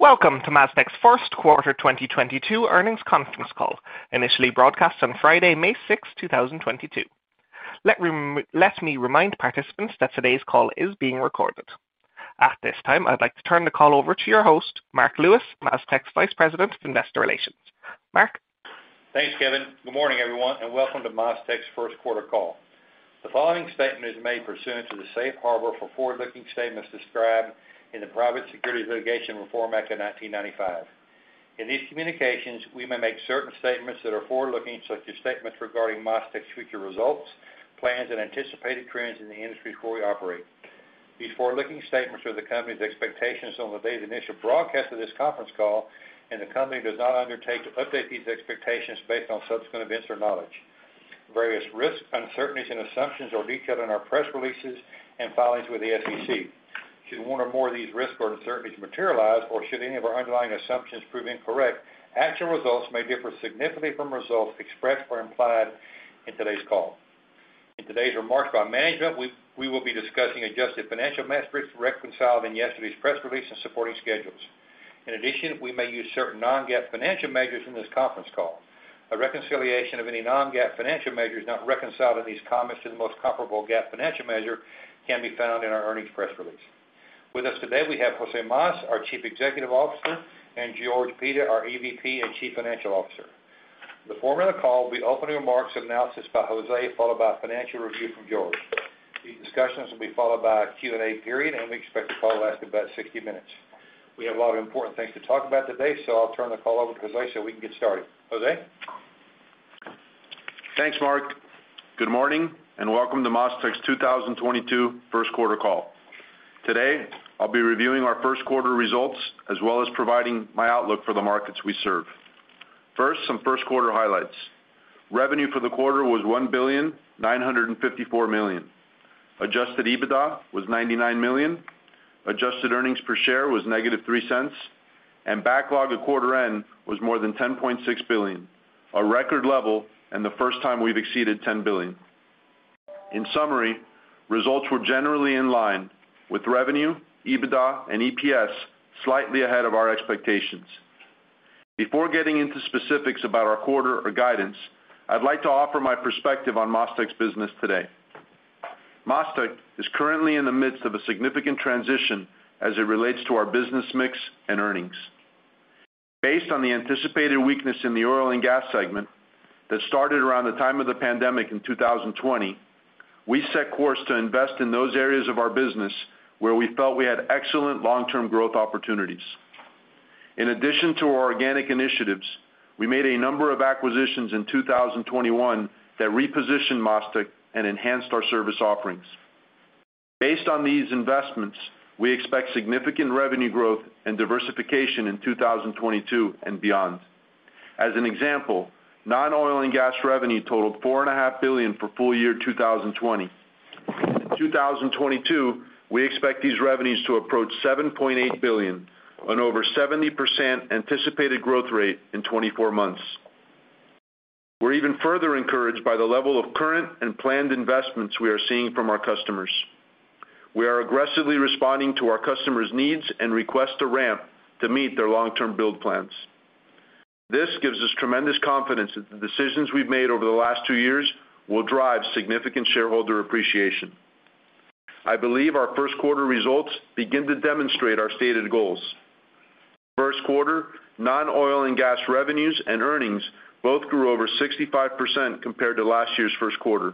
Welcome to MasTec's first quarter 2022 earnings conference call, initially broadcast on Friday, May 6, 2022. Let me remind participants that today's call is being recorded. At this time, I'd like to turn the call over to your host, Marc Lewis, MasTec's Vice President of Investor Relations. Marc? Thanks, Kevin. Good morning, everyone, and welcome to MasTec's first quarter call. The following statement is made pursuant to the safe harbor for forward-looking statements described in the Private Securities Litigation Reform Act of 1995. In these communications, we may make certain statements that are forward-looking, such as statements regarding MasTec's future results, plans, and anticipated trends in the industries where we operate. These forward-looking statements are the company's expectations on the date of initial broadcast of this conference call, and the company does not undertake to update these expectations based on subsequent events or knowledge. Various risks, uncertainties, and assumptions are detailed in our press releases and filings with the SEC. Should one or more of these risks or uncertainties materialize, or should any of our underlying assumptions prove incorrect, actual results may differ significantly from results expressed or implied in today's call. In today's remarks by management, we will be discussing adjusted financial metrics reconciled in yesterday's press release and supporting schedules. In addition, we may use certain non-GAAP financial measures in this conference call. A reconciliation of any non-GAAP financial measures not reconciled in these comments to the most comparable GAAP financial measure can be found in our earnings press release. With us today, we have José Mas, our Chief Executive Officer, and George Pita, our EVP and Chief Financial Officer. The format of the call will be opening remarks and analysis by José, followed by a financial review from George. These discussions will be followed by a Q&A period, and we expect the call to last about 60 minutes. We have a lot of important things to talk about today, so I'll turn the call over to José so we can get started. José? Thanks, Marc. Good morning, and welcome to MasTec's 2022 first quarter call. Today, I'll be reviewing our first quarter results, as well as providing my outlook for the markets we serve. First, some first quarter highlights. Revenue for the quarter was $1.954 billion. Adjusted EBITDA was $99 million. Adjusted earnings per share was -$0.03. Backlog at quarter end was more than $10.6 billion, a record level, and the first time we've exceeded $10 billion. In summary, results were generally in line with revenue, EBITDA, and EPS slightly ahead of our expectations. Before getting into specifics about our quarter or guidance, I'd like to offer my perspective on MasTec's business today. MasTec is currently in the midst of a significant transition as it relates to our business mix and earnings. Based on the anticipated weakness in the Oil & Gas segment that started around the time of the pandemic in 2020, we set course to invest in those areas of our business where we felt we had excellent long-term growth opportunities. In addition to our organic initiatives, we made a number of acquisitions in 2021 that repositioned MasTec and enhanced our service offerings. Based on these investments, we expect significant revenue growth and diversification in 2022 and beyond. As an example, non-oil and gas revenue totaled $4.5 billion for full year 2020. In 2022, we expect these revenues to approach $7.8 billion, an over 70% anticipated growth rate in 24 months. We're even further encouraged by the level of current and planned investments we are seeing from our customers. We are aggressively responding to our customers' needs and requests to ramp to meet their long-term build plans. This gives us tremendous confidence that the decisions we've made over the last two years will drive significant shareholder appreciation. I believe our first quarter results begin to demonstrate our stated goals. First quarter non-oil and gas revenues and earnings both grew over 65% compared to last year's first quarter.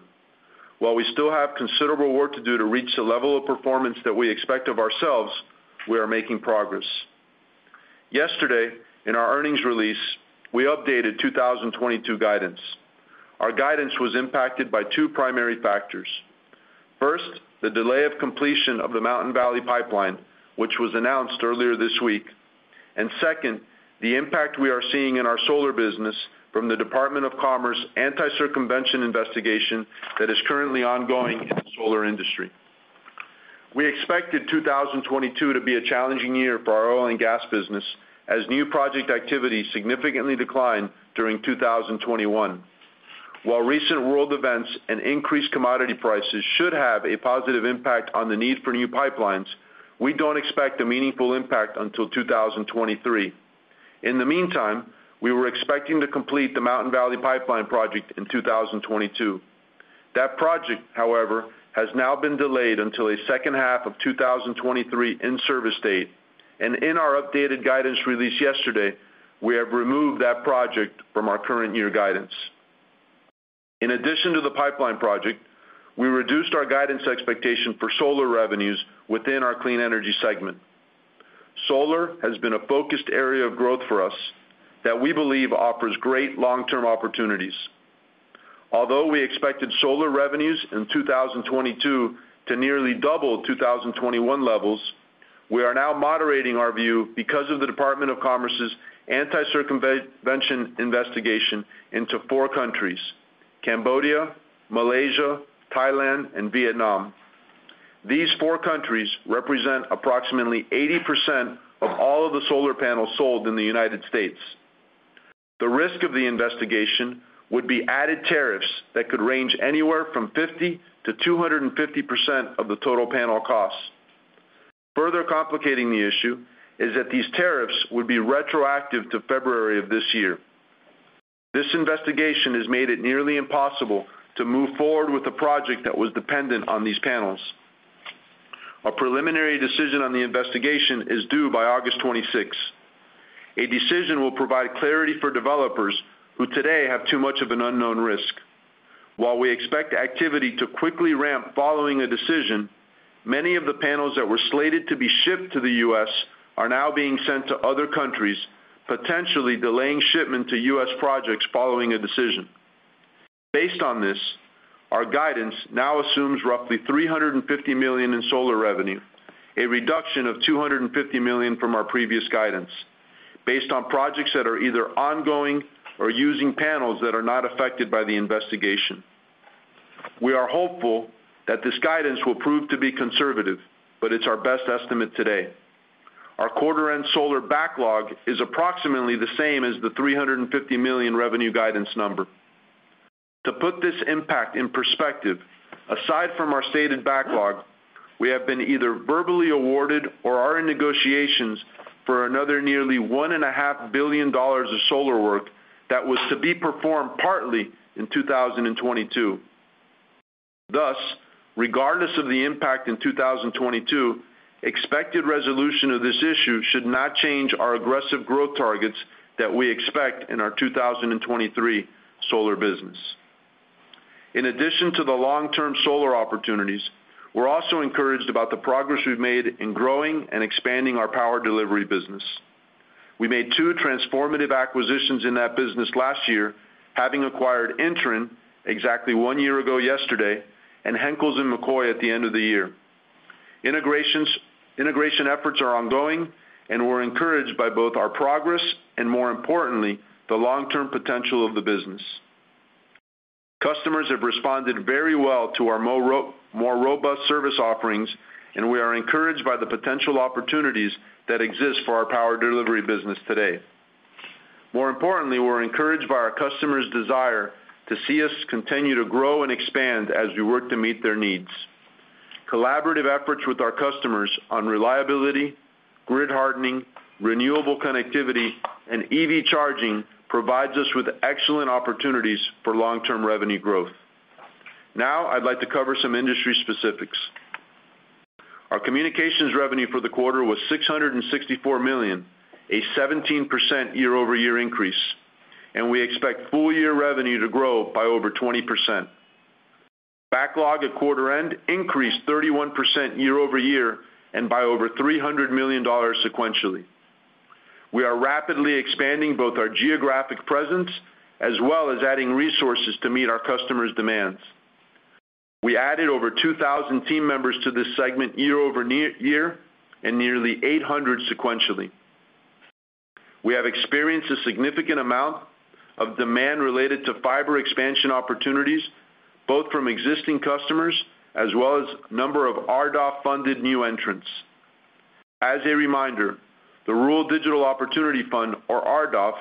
While we still have considerable work to do to reach the level of performance that we expect of ourselves, we are making progress. Yesterday, in our earnings release, we updated 2022 guidance. Our guidance was impacted by two primary factors. First, the delay of completion of the Mountain Valley Pipeline, which was announced earlier this week. Second, the impact we are seeing in our solar business from the Department of Commerce anti-circumvention investigation that is currently ongoing in the solar industry. We expected 2022 to be a challenging year for our Oil & Gas business as new project activity significantly declined during 2021. While recent world events and increased commodity prices should have a positive impact on the need for new pipelines, we don't expect a meaningful impact until 2023. In the meantime, we were expecting to complete the Mountain Valley Pipeline project in 2022. That project, however, has now been delayed until a second half of 2023 in-service date. In our updated guidance released yesterday, we have removed that project from our current year guidance. In addition to the pipeline project, we reduced our guidance expectation for solar revenues within our Clean Energy segment. Solar has been a focused area of growth for us that we believe offers great long-term opportunities. Although we expected solar revenues in 2022 to nearly double 2021 levels, we are now moderating our view because of the Department of Commerce's anti-circumvention investigation into four countries: Cambodia, Malaysia, Thailand, and Vietnam. These four countries represent approximately 80% of all of the solar panels sold in the United States. The risk of the investigation would be added tariffs that could range anywhere from 50%-250% of the total panel costs. Further complicating the issue is that these tariffs would be retroactive to February of this year. This investigation has made it nearly impossible to move forward with the project that was dependent on these panels. A preliminary decision on the investigation is due by August 26. A decision will provide clarity for developers who today have too much of an unknown risk. While we expect activity to quickly ramp following a decision, many of the panels that were slated to be shipped to the U.S. are now being sent to other countries, potentially delaying shipment to U.S. projects following a decision. Based on this, our guidance now assumes roughly $350 million in solar revenue, a reduction of $250 million from our previous guidance based on projects that are either ongoing or using panels that are not affected by the investigation. We are hopeful that this guidance will prove to be conservative, but it's our best estimate today. Our quarter-end solar backlog is approximately the same as the $350 million revenue guidance number. To put this impact in perspective, aside from our stated backlog, we have been either verbally awarded or are in negotiations for another nearly $1.5 billion of solar work that was to be performed partly in 2022. Thus, regardless of the impact in 2022, expected resolution of this issue should not change our aggressive growth targets that we expect in our 2023 solar business. In addition to the long-term solar opportunities, we're also encouraged about the progress we've made in growing and expanding our Power Delivery business. We made two transformative acquisitions in that business last year, having acquired INTREN exactly one year ago yesterday, and Henkels & McCoy at the end of the year. Integration efforts are ongoing, and we're encouraged by both our progress and more importantly, the long-term potential of the business. Customers have responded very well to our more robust service offerings, and we are encouraged by the potential opportunities that exist for our Power Delivery business today. More importantly, we're encouraged by our customers' desire to see us continue to grow and expand as we work to meet their needs. Collaborative efforts with our customers on reliability, grid hardening, renewable connectivity and EV charging provides us with excellent opportunities for long-term revenue growth. Now I'd like to cover some industry specifics. Our communications revenue for the quarter was $664 million, a 17% year-over-year increase, and we expect full year revenue to grow by over 20%. Backlog at quarter end increased 31% year-over-year and by over $300 million sequentially. We are rapidly expanding both our geographic presence as well as adding resources to meet our customers' demands. We added over 2,000 team members to this segment year over year and nearly 800 sequentially. We have experienced a significant amount of demand related to fiber expansion opportunities, both from existing customers as well as a number of RDOF-funded new entrants. As a reminder, the Rural Digital Opportunity Fund, or RDOF,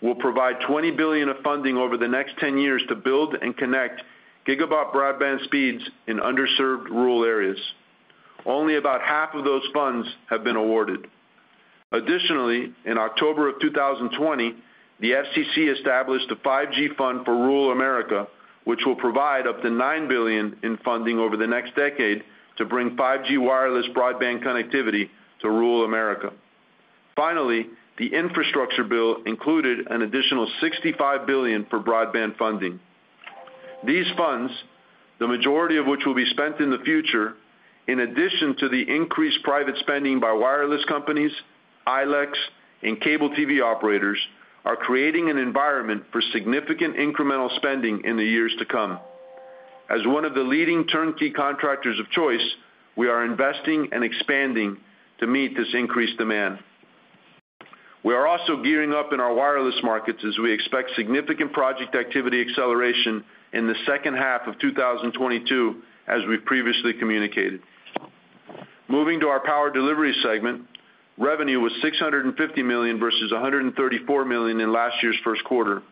will provide $20 billion of funding over the next 10 years to build and connect gigabit broadband speeds in underserved rural areas. Only about half of those funds have been awarded. Additionally, in October 2020, the FCC established a 5G Fund for Rural America, which will provide up to $9 billion in funding over the next decade to bring 5G wireless broadband connectivity to rural America. Finally, the infrastructure bill included an additional $65 billion for broadband funding. These funds, the majority of which will be spent in the future, in addition to the increased private spending by wireless companies, ILECs and cable TV operators, are creating an environment for significant incremental spending in the years to come. As one of the leading turnkey contractors of choice, we are investing and expanding to meet this increased demand. We are also gearing up in our wireless markets as we expect significant project activity acceleration in the second half of 2022, as we've previously communicated. Moving to our Power Delivery segment, revenue was $650 million versus $134 million in last year's first quarter.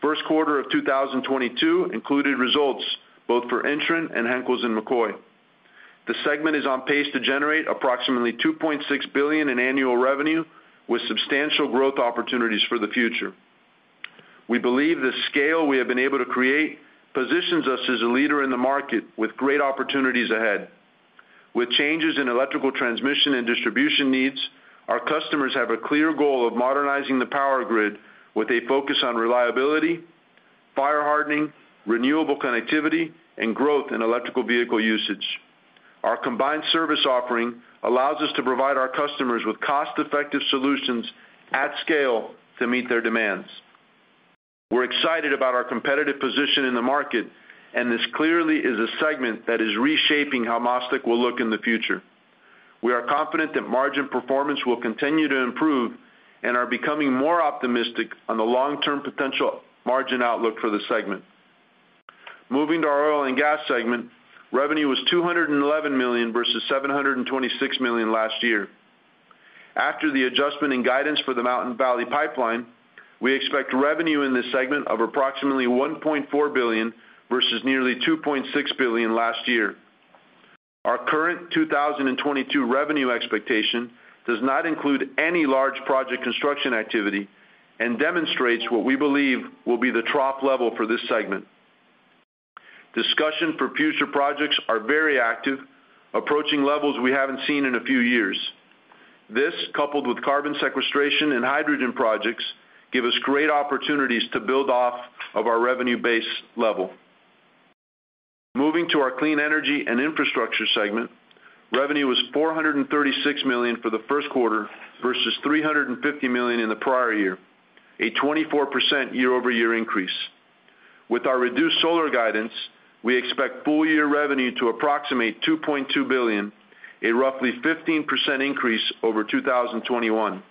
First quarter of 2022 included results both for INTREN and Henkels & McCoy. The segment is on pace to generate approximately $2.6 billion in annual revenue, with substantial growth opportunities for the future. We believe the scale we have been able to create positions us as a leader in the market with great opportunities ahead. With changes in electrical transmission and distribution needs, our customers have a clear goal of modernizing the power grid with a focus on reliability, fire hardening, renewable connectivity and growth in electric vehicle usage. Our combined service offering allows us to provide our customers with cost-effective solutions at scale to meet their demands. We're excited about our competitive position in the market, and this clearly is a segment that is reshaping how MasTec will look in the future. We are confident that margin performance will continue to improve and are becoming more optimistic on the long-term potential margin outlook for the segment. Moving to our Oil & Gas segment, revenue was $211 million versus $726 million last year. After the adjustment and guidance for the Mountain Valley Pipeline, we expect revenue in this segment of approximately $1.4 billion versus nearly $2.6 billion last year. Our current 2022 revenue expectation does not include any large project construction activity and demonstrates what we believe will be the trough level for this segment. Discussion for future projects are very active, approaching levels we haven't seen in a few years. This, coupled with carbon sequestration and hydrogen projects, give us great opportunities to build off of our revenue base level. Moving to our clean energy and infrastructure segment, revenue was $436 million for the first quarter versus $350 million in the prior year, a 24% year-over-year increase. With our reduced solar guidance, we expect full year revenue to approximate $2.2 billion, a roughly 15% increase over 2021.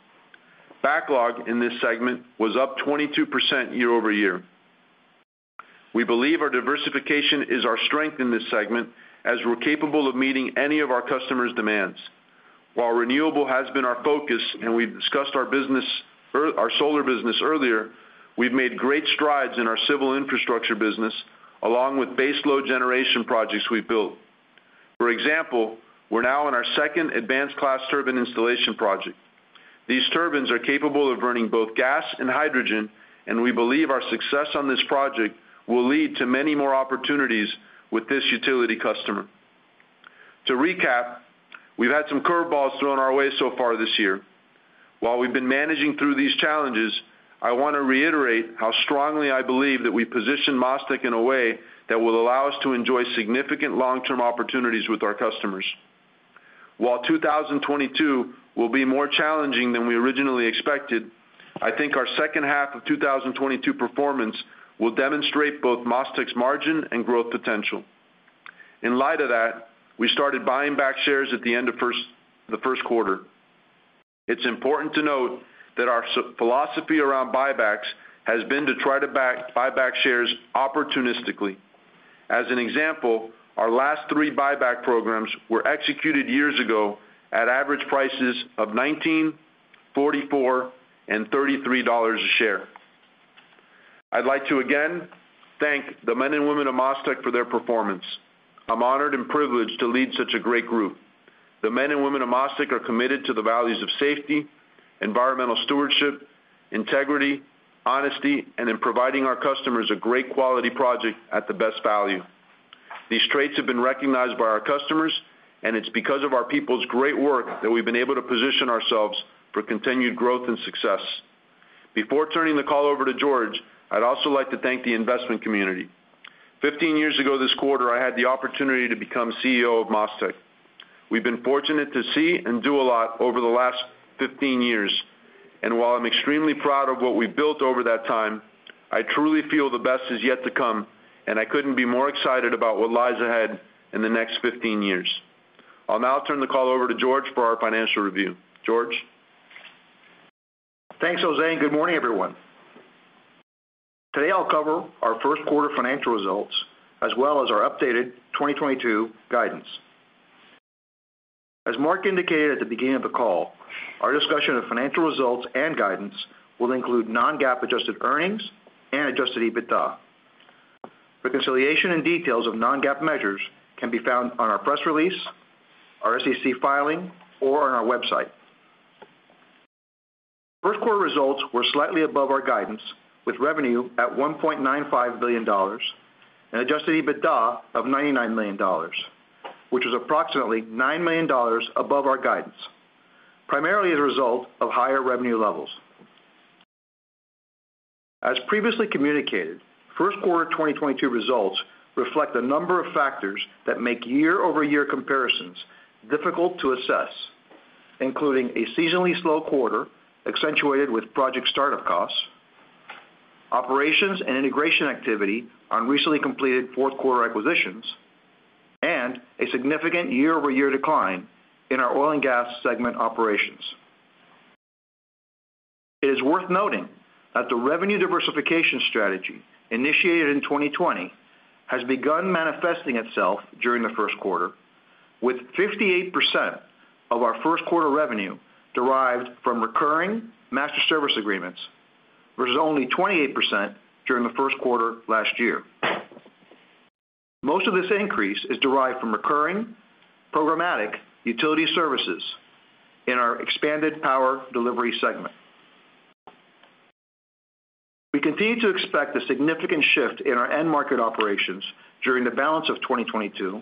Backlog in this segment was up 22% year-over-year. We believe our diversification is our strength in this segment, as we're capable of meeting any of our customers' demands. While renewable has been our focus, and we've discussed our solar business earlier, we've made great strides in our civil infrastructure business, along with baseload generation projects we've built. For example, we're now on our second advanced class turbine installation project. These turbines are capable of burning both gas and hydrogen, and we believe our success on this project will lead to many more opportunities with this utility customer. To recap, we've had some curve balls thrown our way so far this year. While we've been managing through these challenges, I wanna reiterate how strongly I believe that we position MasTec in a way that will allow us to enjoy significant long-term opportunities with our customers. While 2022 will be more challenging than we originally expected, I think our second half of 2022 performance will demonstrate both MasTec's margin and growth potential. In light of that, we started buying back shares at the end of the first quarter. It's important to note that our philosophy around buybacks has been to try to buy back shares opportunistically. As an example, our last three buyback programs were executed years ago at average prices of $19, $44, and $33 a share. I'd like to again thank the men and women of MasTec for their performance. I'm honored and privileged to lead such a great group. The men and women of MasTec are committed to the values of safety, environmental stewardship, integrity, honesty, and in providing our customers a great quality project at the best value. These traits have been recognized by our customers, and it's because of our people's great work that we've been able to position ourselves for continued growth and success. Before turning the call over to George, I'd also like to thank the investment community. 15 years ago this quarter, I had the opportunity to become CEO of MasTec. We've been fortunate to see and do a lot over the last 15 years, and while I'm extremely proud of what we've built over that time, I truly feel the best is yet to come, and I couldn't be more excited about what lies ahead in the next 15 years. I'll now turn the call over to George for our financial review. George? Thanks, José, and good morning, everyone. Today, I'll cover our first quarter financial results as well as our updated 2022 guidance. As Marc indicated at the beginning of the call, our discussion of financial results and guidance will include non-GAAP adjusted earnings and adjusted EBITDA. Reconciliation and details of non-GAAP measures can be found on our press release, our SEC filing, or on our website. First quarter results were slightly above our guidance, with revenue at $1.95 billion, an adjusted EBITDA of $99 million, which is approximately $9 million above our guidance, primarily as a result of higher revenue levels. As previously communicated, first quarter of 2022 results reflect a number of factors that make year-over-year comparisons difficult to assess, including a seasonally slow quarter accentuated with project startup costs, operations and integration activity on recently completed fourth quarter acquisitions, and a significant year-over-year decline in our Oil & Gas segment operations. It is worth noting that the revenue diversification strategy initiated in 2020 has begun manifesting itself during the first quarter, with 58% of our first quarter revenue derived from recurring master service agreements versus only 28% during the first quarter last year. Most of this increase is derived from recurring programmatic utility services in our expanded Power Delivery segment. We continue to expect a significant shift in our end market operations during the balance of 2022,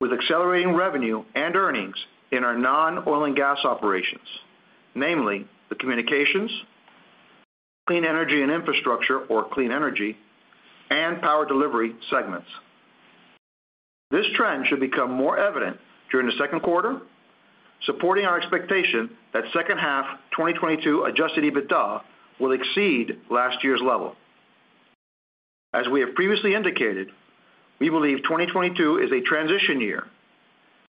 with accelerating revenue and earnings in our non-oil and gas operations, namely the Communications, Clean Energy and Infrastructure or Clean Energy, and Power Delivery segments. This trend should become more evident during the second quarter, supporting our expectation that second half 2022 adjusted EBITDA will exceed last year's level. As we have previously indicated, we believe 2022 is a transition year.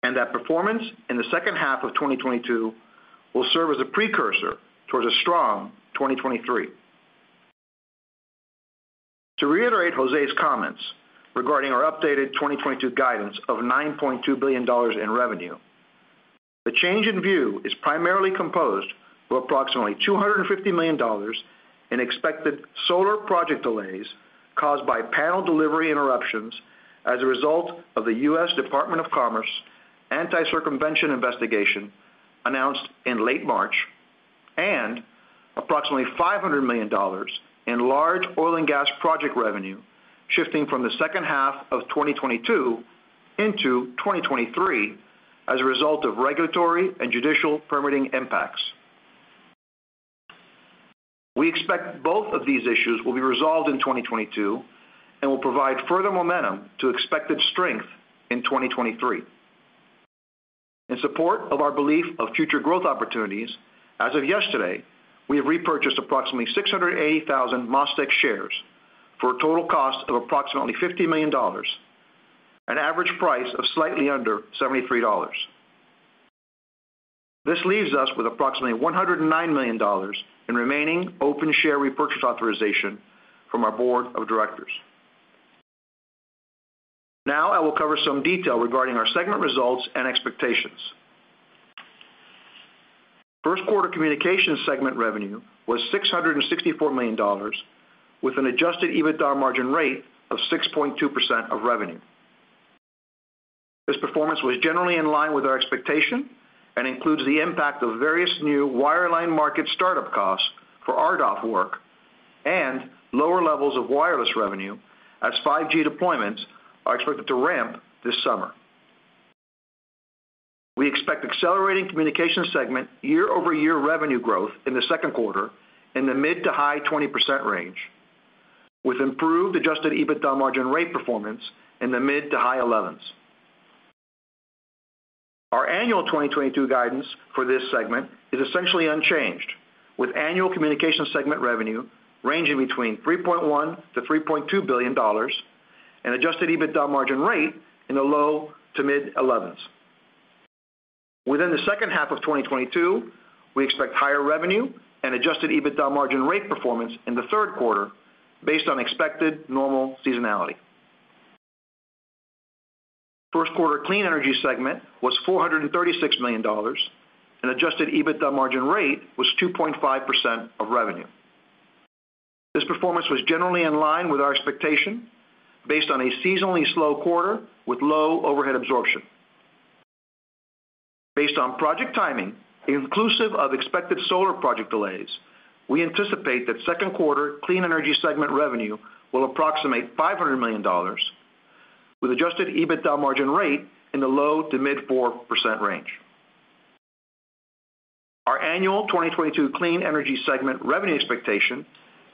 That performance in the second half of 2022 will serve as a precursor towards a strong 2023. To reiterate José's comments regarding our updated 2022 guidance of $9.2 billion in revenue, the change in view is primarily composed of approximately $250 million in expected solar project delays caused by panel delivery interruptions as a result of the U.S. Department of Commerce anti-circumvention investigation announced in late March, and approximately $500 million in large oil and gas project revenue shifting from the second half of 2022 into 2023 as a result of regulatory and judicial permitting impacts. We expect both of these issues will be resolved in 2022 and will provide further momentum to expected strength in 2023. In support of our belief of future growth opportunities, as of yesterday, we have repurchased approximately 680,000 MasTec shares for a total cost of approximately $50 million, an average price of slightly under $73. This leaves us with approximately $109 million in remaining open share repurchase authorization from our board of directors. Now I will cover some detail regarding our segment results and expectations. First quarter communications segment revenue was $664 million, with an adjusted EBITDA margin rate of 6.2% of revenue. This performance was generally in line with our expectation and includes the impact of various new wireline market startup costs for RDOF work and lower levels of wireless revenue as 5G deployments are expected to ramp this summer. We expect accelerating communications segment year-over-year revenue growth in the second quarter in the mid- to high-20% range, with improved adjusted EBITDA margin rate performance in the mid- to high-11s%. Our annual 2022 guidance for this segment is essentially unchanged, with annual communication segment revenue ranging between $3.1 billion-$3.2 billion and adjusted EBITDA margin rate in the low- to mid-11s%. Within the second half of 2022, we expect higher revenue and adjusted EBITDA margin rate performance in the third quarter based on expected normal seasonality. First quarter Clean Energy segment was $436 million and adjusted EBITDA margin rate was 2.5% of revenue. This performance was generally in line with our expectation based on a seasonally slow quarter with low overhead absorption. Based on project timing, inclusive of expected solar project delays, we anticipate that second quarter Clean Energy segment revenue will approximate $500 million with adjusted EBITDA margin rate in the low-to-mid 4% range. Our annual 2022 Clean Energy segment revenue expectation,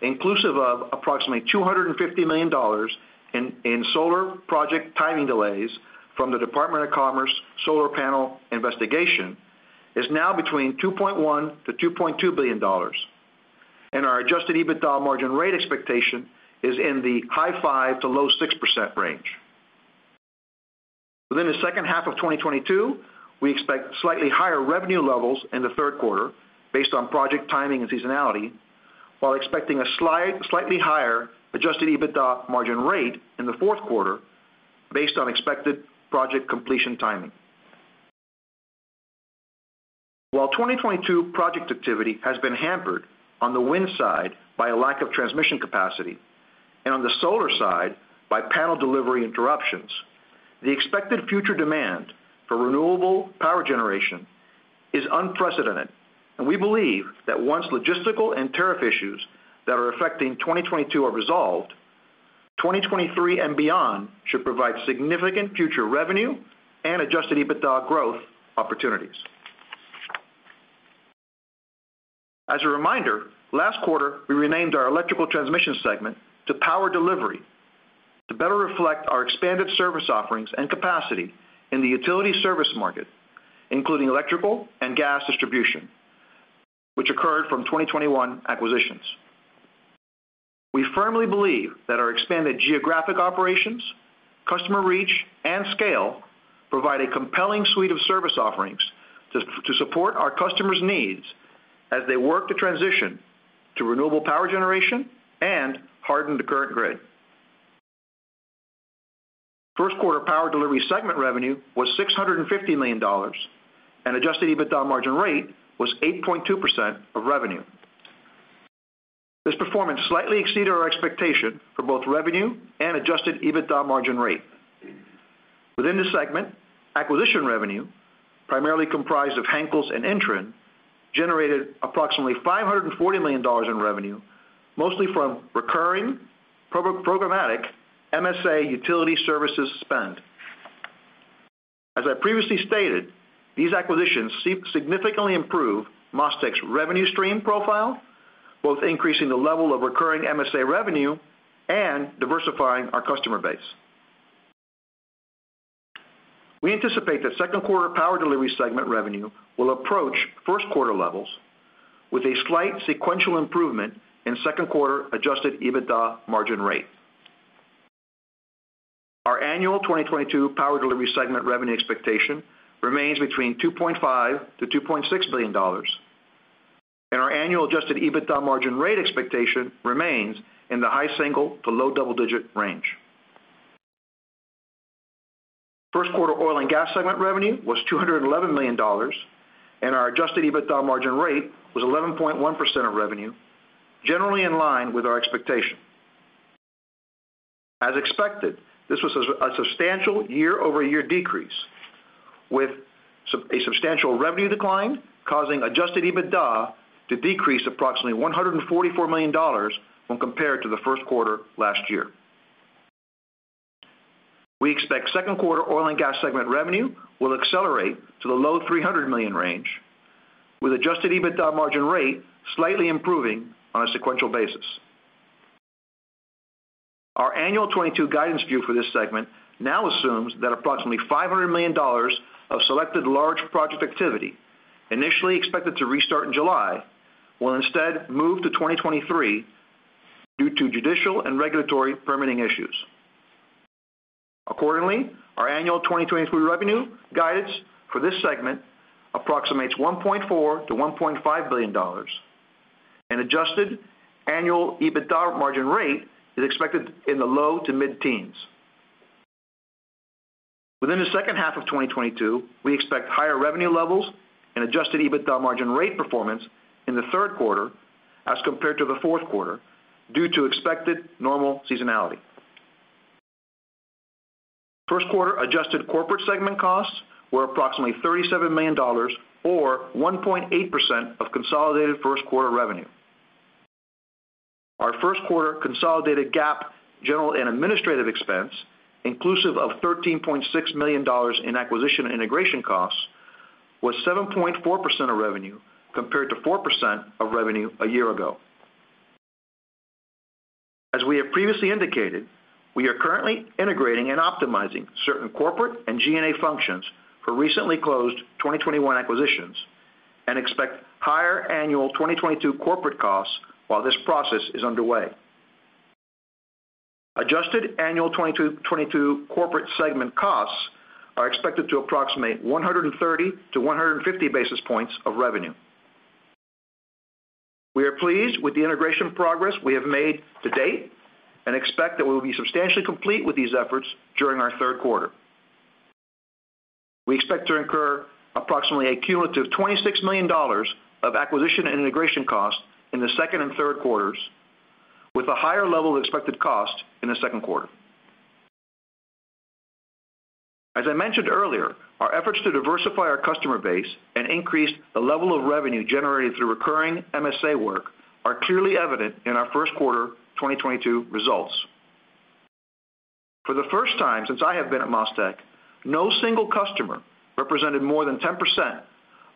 inclusive of approximately $250 million in solar project timing delays from the Department of Commerce solar panel investigation, is now between $2.1 billion-$2.2 billion, and our adjusted EBITDA margin rate expectation is in the high 5%-low 6% range. Within the second half of 2022, we expect slightly higher revenue levels in the third quarter based on project timing and seasonality, while expecting slightly higher adjusted EBITDA margin rate in the fourth quarter based on expected project completion timing. While 2022 project activity has been hampered on the wind side by a lack of transmission capacity and on the solar side by panel delivery interruptions, the expected future demand for renewable power generation is unprecedented. We believe that once logistical and tariff issues that are affecting 2022 are resolved, 2023 and beyond should provide significant future revenue and adjusted EBITDA growth opportunities. As a reminder, last quarter, we renamed our Electrical Transmission segment to Power Delivery to better reflect our expanded service offerings and capacity in the utility service market, including electrical and gas distribution, which occurred from 2021 acquisitions. We firmly believe that our expanded geographic operations, customer reach, and scale provide a compelling suite of service offerings to support our customers' needs as they work to transition to renewable power generation and harden the current grid. First quarter Power Delivery segment revenue was $650 million, and adjusted EBITDA margin rate was 8.2% of revenue. This performance slightly exceeded our expectation for both revenue and adjusted EBITDA margin rate. Within this segment, acquisition revenue, primarily comprised of Henkels & McCoy and INTREN, generated approximately $540 million in revenue, mostly from recurring programmatic MSA utility services spend. As I previously stated, these acquisitions significantly improve MasTec's revenue stream profile, both increasing the level of recurring MSA revenue and diversifying our customer base. We anticipate that second quarter Power Delivery segment revenue will approach first quarter levels with a slight sequential improvement in second quarter adjusted EBITDA margin rate. Our annual 2022 Power Delivery segment revenue expectation remains between $2.5 billion-$2.6 billion. Our annual adjusted EBITDA margin rate expectation remains in the high single-digit to low double-digit range. First quarter Oil & Gas segment revenue was $211 million, and our adjusted EBITDA margin rate was 11.1% of revenue, generally in line with our expectation. As expected, this was a substantial year-over-year decrease, with a substantial revenue decline, causing adjusted EBITDA to decrease approximately $144 million when compared to the first quarter last year. We expect second quarter Oil & Gas segment revenue will accelerate to the low $300 million range, with adjusted EBITDA margin rate slightly improving on a sequential basis. Our annual 2022 guidance view for this segment now assumes that approximately $500 million of selected large project activity initially expected to restart in July will instead move to 2023 due to judicial and regulatory permitting issues. Accordingly, our annual 2023 revenue guidance for this segment approximates $1.4 billion-$1.5 billion. Adjusted annual EBITDA margin rate is expected in the low to mid-teens. Within the second half of 2022, we expect higher revenue levels and adjusted EBITDA margin rate performance in the third quarter as compared to the fourth quarter due to expected normal seasonality. First quarter adjusted corporate segment costs were approximately $37 million or 1.8% of consolidated first quarter revenue. Our first quarter consolidated GAAP general and administrative expense, inclusive of $13.6 million in acquisition and integration costs, was 7.4% of revenue compared to 4% of revenue a year ago. As we have previously indicated, we are currently integrating and optimizing certain corporate and G&A functions for recently closed 2021 acquisitions and expect higher annual 2022 corporate costs while this process is underway. Adjusted annual 2022 corporate segment costs are expected to approximate 130 basis points-150 basis points of revenue. We are pleased with the integration progress we have made to date and expect that we'll be substantially complete with these efforts during our third quarter. We expect to incur approximately a cumulative $26 million of acquisition and integration costs in the second and third quarters, with a higher level of expected cost in the second quarter. As I mentioned earlier, our efforts to diversify our customer base and increase the level of revenue generated through recurring MSA work are clearly evident in our first quarter 2022 results. For the first time since I have been at MasTec, no single customer represented more than 10%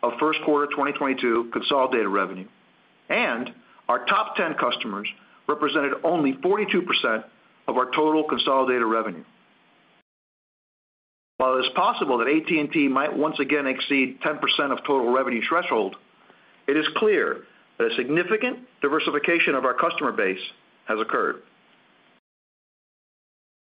of first quarter 2022 consolidated revenue, and our top 10 customers represented only 42% of our total consolidated revenue. While it is possible that AT&T might once again exceed 10% of total revenue threshold, it is clear that a significant diversification of our customer base has occurred.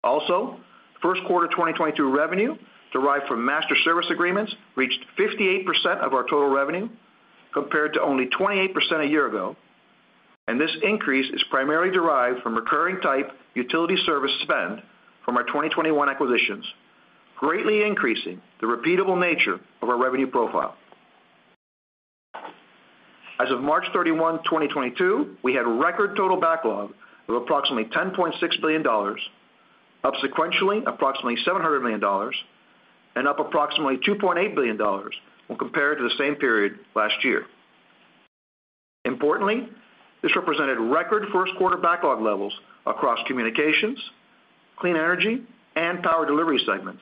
Also, first quarter 2022 revenue derived from master service agreements reached 58% of our total revenue, compared to only 28% a year ago. This increase is primarily derived from recurring type utility service spend from our 2021 acquisitions, greatly increasing the repeatable nature of our revenue profile. As of March 31, 2022, we had record total backlog of approximately $10.6 billion, up sequentially approximately $700 million and up approximately $2.8 billion when compared to the same period last year. Importantly, this represented record first quarter backlog levels across Communications, Clean Energy, and Power Delivery segments,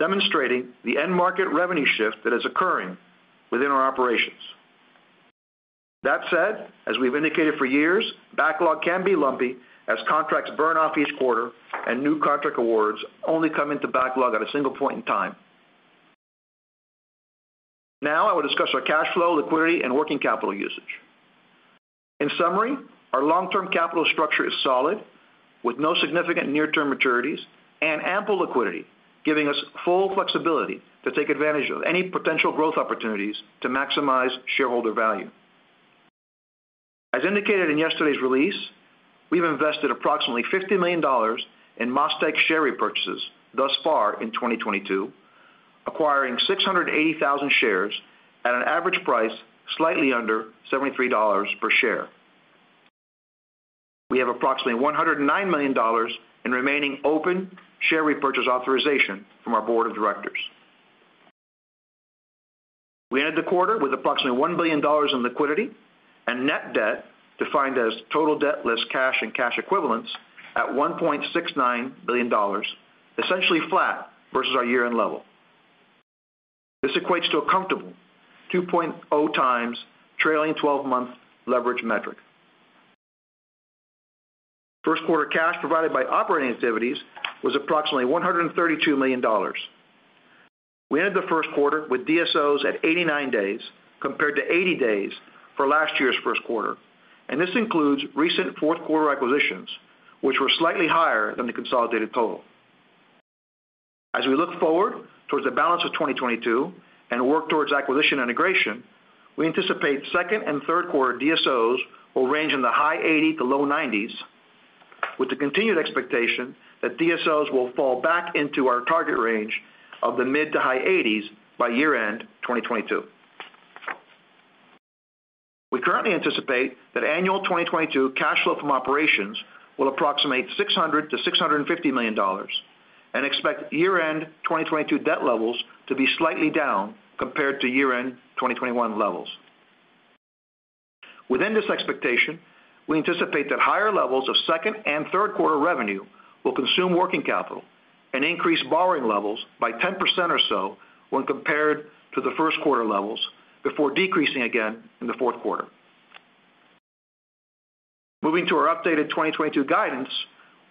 demonstrating the end market revenue shift that is occurring within our operations. That said, as we've indicated for years, backlog can be lumpy as contracts burn off each quarter and new contract awards only come into backlog at a single point in time. Now I will discuss our cash flow, liquidity, and working capital usage. In summary, our long-term capital structure is solid, with no significant near-term maturities and ample liquidity, giving us full flexibility to take advantage of any potential growth opportunities to maximize shareholder value. As indicated in yesterday's release, we've invested approximately $50 million in MasTec share repurchases thus far in 2022, acquiring 680,000 shares at an average price slightly under $73 per share. We have approximately $109 million in remaining open share repurchase authorization from our board of directors. We ended the quarter with approximately $1 billion in liquidity and net debt defined as total debt less cash and cash equivalents at $1.69 billion, essentially flat versus our year-end level. This equates to a comfortable 2.0x trailing twelve-month leverage metric. First quarter cash provided by operating activities was approximately $132 million. We ended the first quarter with DSOs at 89 days compared to 80 days for last year's first quarter. This includes recent fourth quarter acquisitions, which were slightly higher than the consolidated total. As we look forward towards the balance of 2022 and work towards acquisition integration, we anticipate second and third quarter DSOs will range in the high 80s days to low 90s days, with the continued expectation that DSOs will fall back into our target range of the mid- to high 80s days by year-end 2022. We currently anticipate that annual 2022 cash flow from operations will approximate $600 million-$650 million and expect year-end 2022 debt levels to be slightly down compared to year-end 2021 levels. Within this expectation, we anticipate that higher levels of second and third quarter revenue will consume working capital and increase borrowing levels by 10% or so when compared to the first quarter levels before decreasing again in the fourth quarter. Moving to our updated 2022 guidance,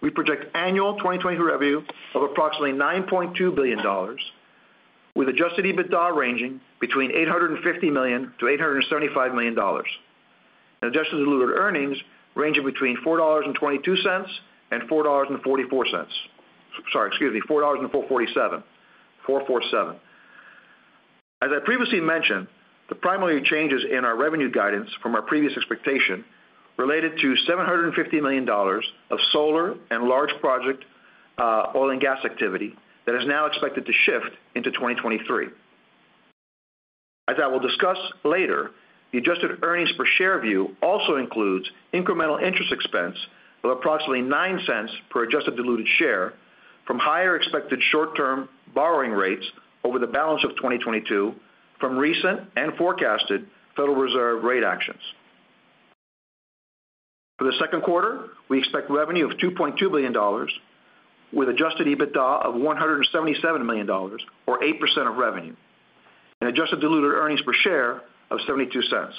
we project annual 2022 revenue of approximately $9.2 billion with adjusted EBITDA ranging between $850 million-$875 million. Adjusted diluted earnings ranging between $4.22 and $4.47. As I previously mentioned, the primary changes in our revenue guidance from our previous expectation related to $750 million of solar and large project oil and gas activity that is now expected to shift into 2023. As I will discuss later, the adjusted earnings per share view also includes incremental interest expense of approximately $0.09 per adjusted diluted share from higher expected short-term borrowing rates over the balance of 2022 from recent and forecasted Federal Reserve rate actions. For the second quarter, we expect revenue of $2.2 billion with adjusted EBITDA of $177 million or 8% of revenue, and adjusted diluted earnings per share of $0.72.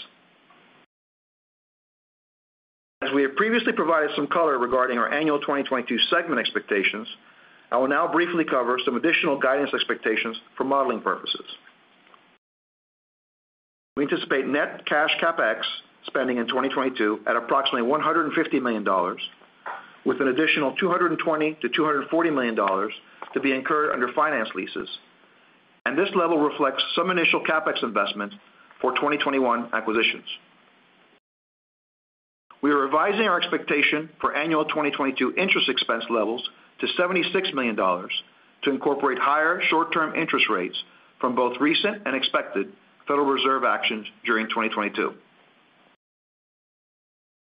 As we have previously provided some color regarding our annual 2022 segment expectations, I will now briefly cover some additional guidance expectations for modeling purposes. We anticipate net cash CapEx spending in 2022 at approximately $150 million, with an additional $220 million-$240 million to be incurred under finance leases. This level reflects some initial CapEx investment for 2021 acquisitions. We are revising our expectation for annual 2022 interest expense levels to $76 million to incorporate higher short-term interest rates from both recent and expected Federal Reserve actions during 2022.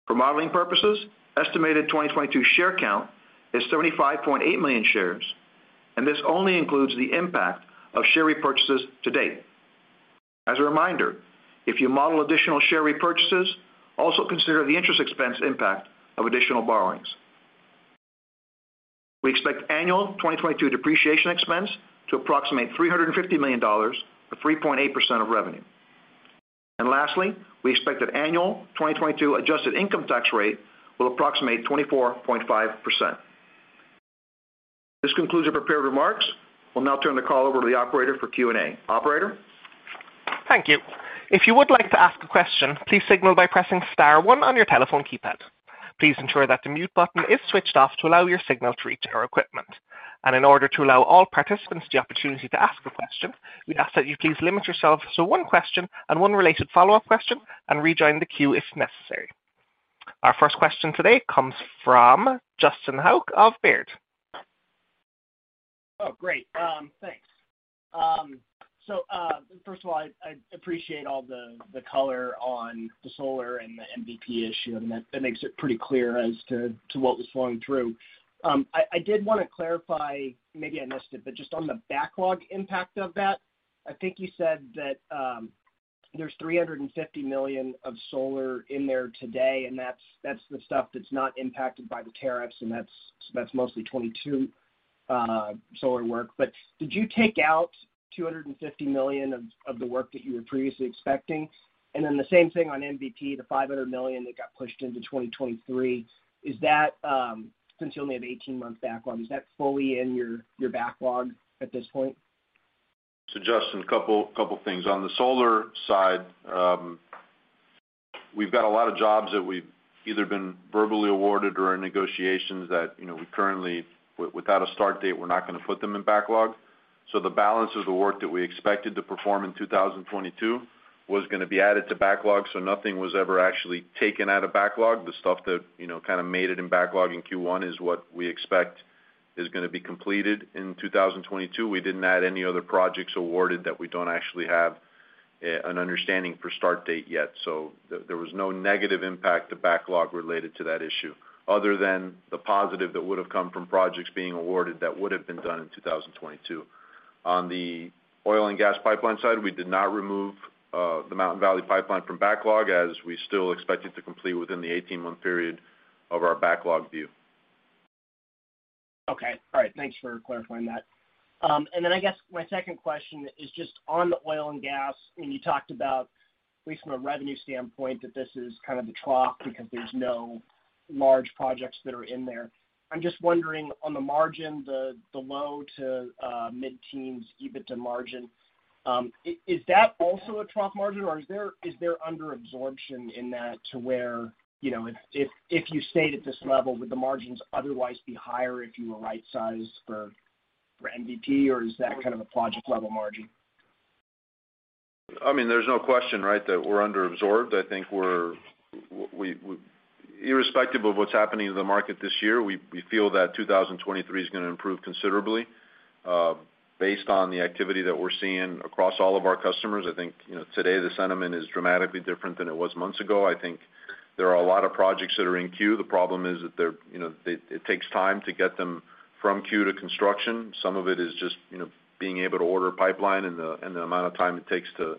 For modeling purposes, estimated 2022 share count is 75.8 million shares, and this only includes the impact of share repurchases to date. As a reminder, if you model additional share repurchases, also consider the interest expense impact of additional borrowings. We expect annual 2022 depreciation expense to approximate $350 million or 3.8% of revenue. Lastly, we expect that annual 2022 adjusted income tax rate will approximate 24.5%. This concludes our prepared remarks. We'll now turn the call over to the operator for Q&A. Operator? Thank you. If you would like to ask a question, please signal by pressing star one on your telephone keypad. Please ensure that the mute button is switched off to allow your signal to reach our equipment. In order to allow all participants the opportunity to ask a question, we ask that you please limit yourself to one question and one related follow-up question and rejoin the queue if necessary. Our first question today comes from Justin Hauke of Baird. Oh, great. Thanks. So, first of all, I appreciate all the color on the solar and the MVP issue, and that makes it pretty clear as to what was flowing through. I did wanna clarify, maybe I missed it, but just on the backlog impact of that. I think you said that there's $350 million of solar in there today, and that's the stuff that's not impacted by the tariffs, and that's mostly 2022 solar work. But did you take out $250 million of the work that you were previously expecting? And then the same thing on MVP, the $500 million that got pushed into 2023, is that, since you only have 18 months backlog, is that fully in your backlog at this point? Justin, a couple things. On the solar side, we've got a lot of jobs that we've either been verbally awarded or in negotiations that, you know, we currently without a start date, we're not gonna put them in backlog. The balance of the work that we expected to perform in 2022 was gonna be added to backlog, so nothing was ever actually taken out of backlog. The stuff that, you know, kind of made it in backlog in Q1 is what we expect is gonna be completed in 2022. We didn't add any other projects awarded that we don't actually have an understanding for start date yet. There was no negative impact to backlog related to that issue other than the positive that would have come from projects being awarded that would have been done in 2022. On the oil and gas pipeline side, we did not remove the Mountain Valley Pipeline from backlog, as we still expect it to complete within the 18-month period of our backlog view. Okay. All right. Thanks for clarifying that. I guess my second question is just on the Oil & Gas, when you talked about at least from a revenue standpoint, that this is kind of the trough because there's no large projects that are in there. I'm just wondering on the margin, the low to mid-teens EBITDA margin, is that also a trough margin, or is there under absorption in that to where, you know, if you stayed at this level, would the margins otherwise be higher if you were right sized for MVP, or is that kind of a project level margin? I mean, there's no question, right, that we're underabsorbed. I think irrespective of what's happening in the market this year, we feel that 2023 is gonna improve considerably, based on the activity that we're seeing across all of our customers. I think, you know, today the sentiment is dramatically different than it was months ago. I think there are a lot of projects that are in queue. The problem is that they're, you know, it takes time to get them from queue to construction. Some of it is just, you know, being able to order pipeline and the amount of time it takes to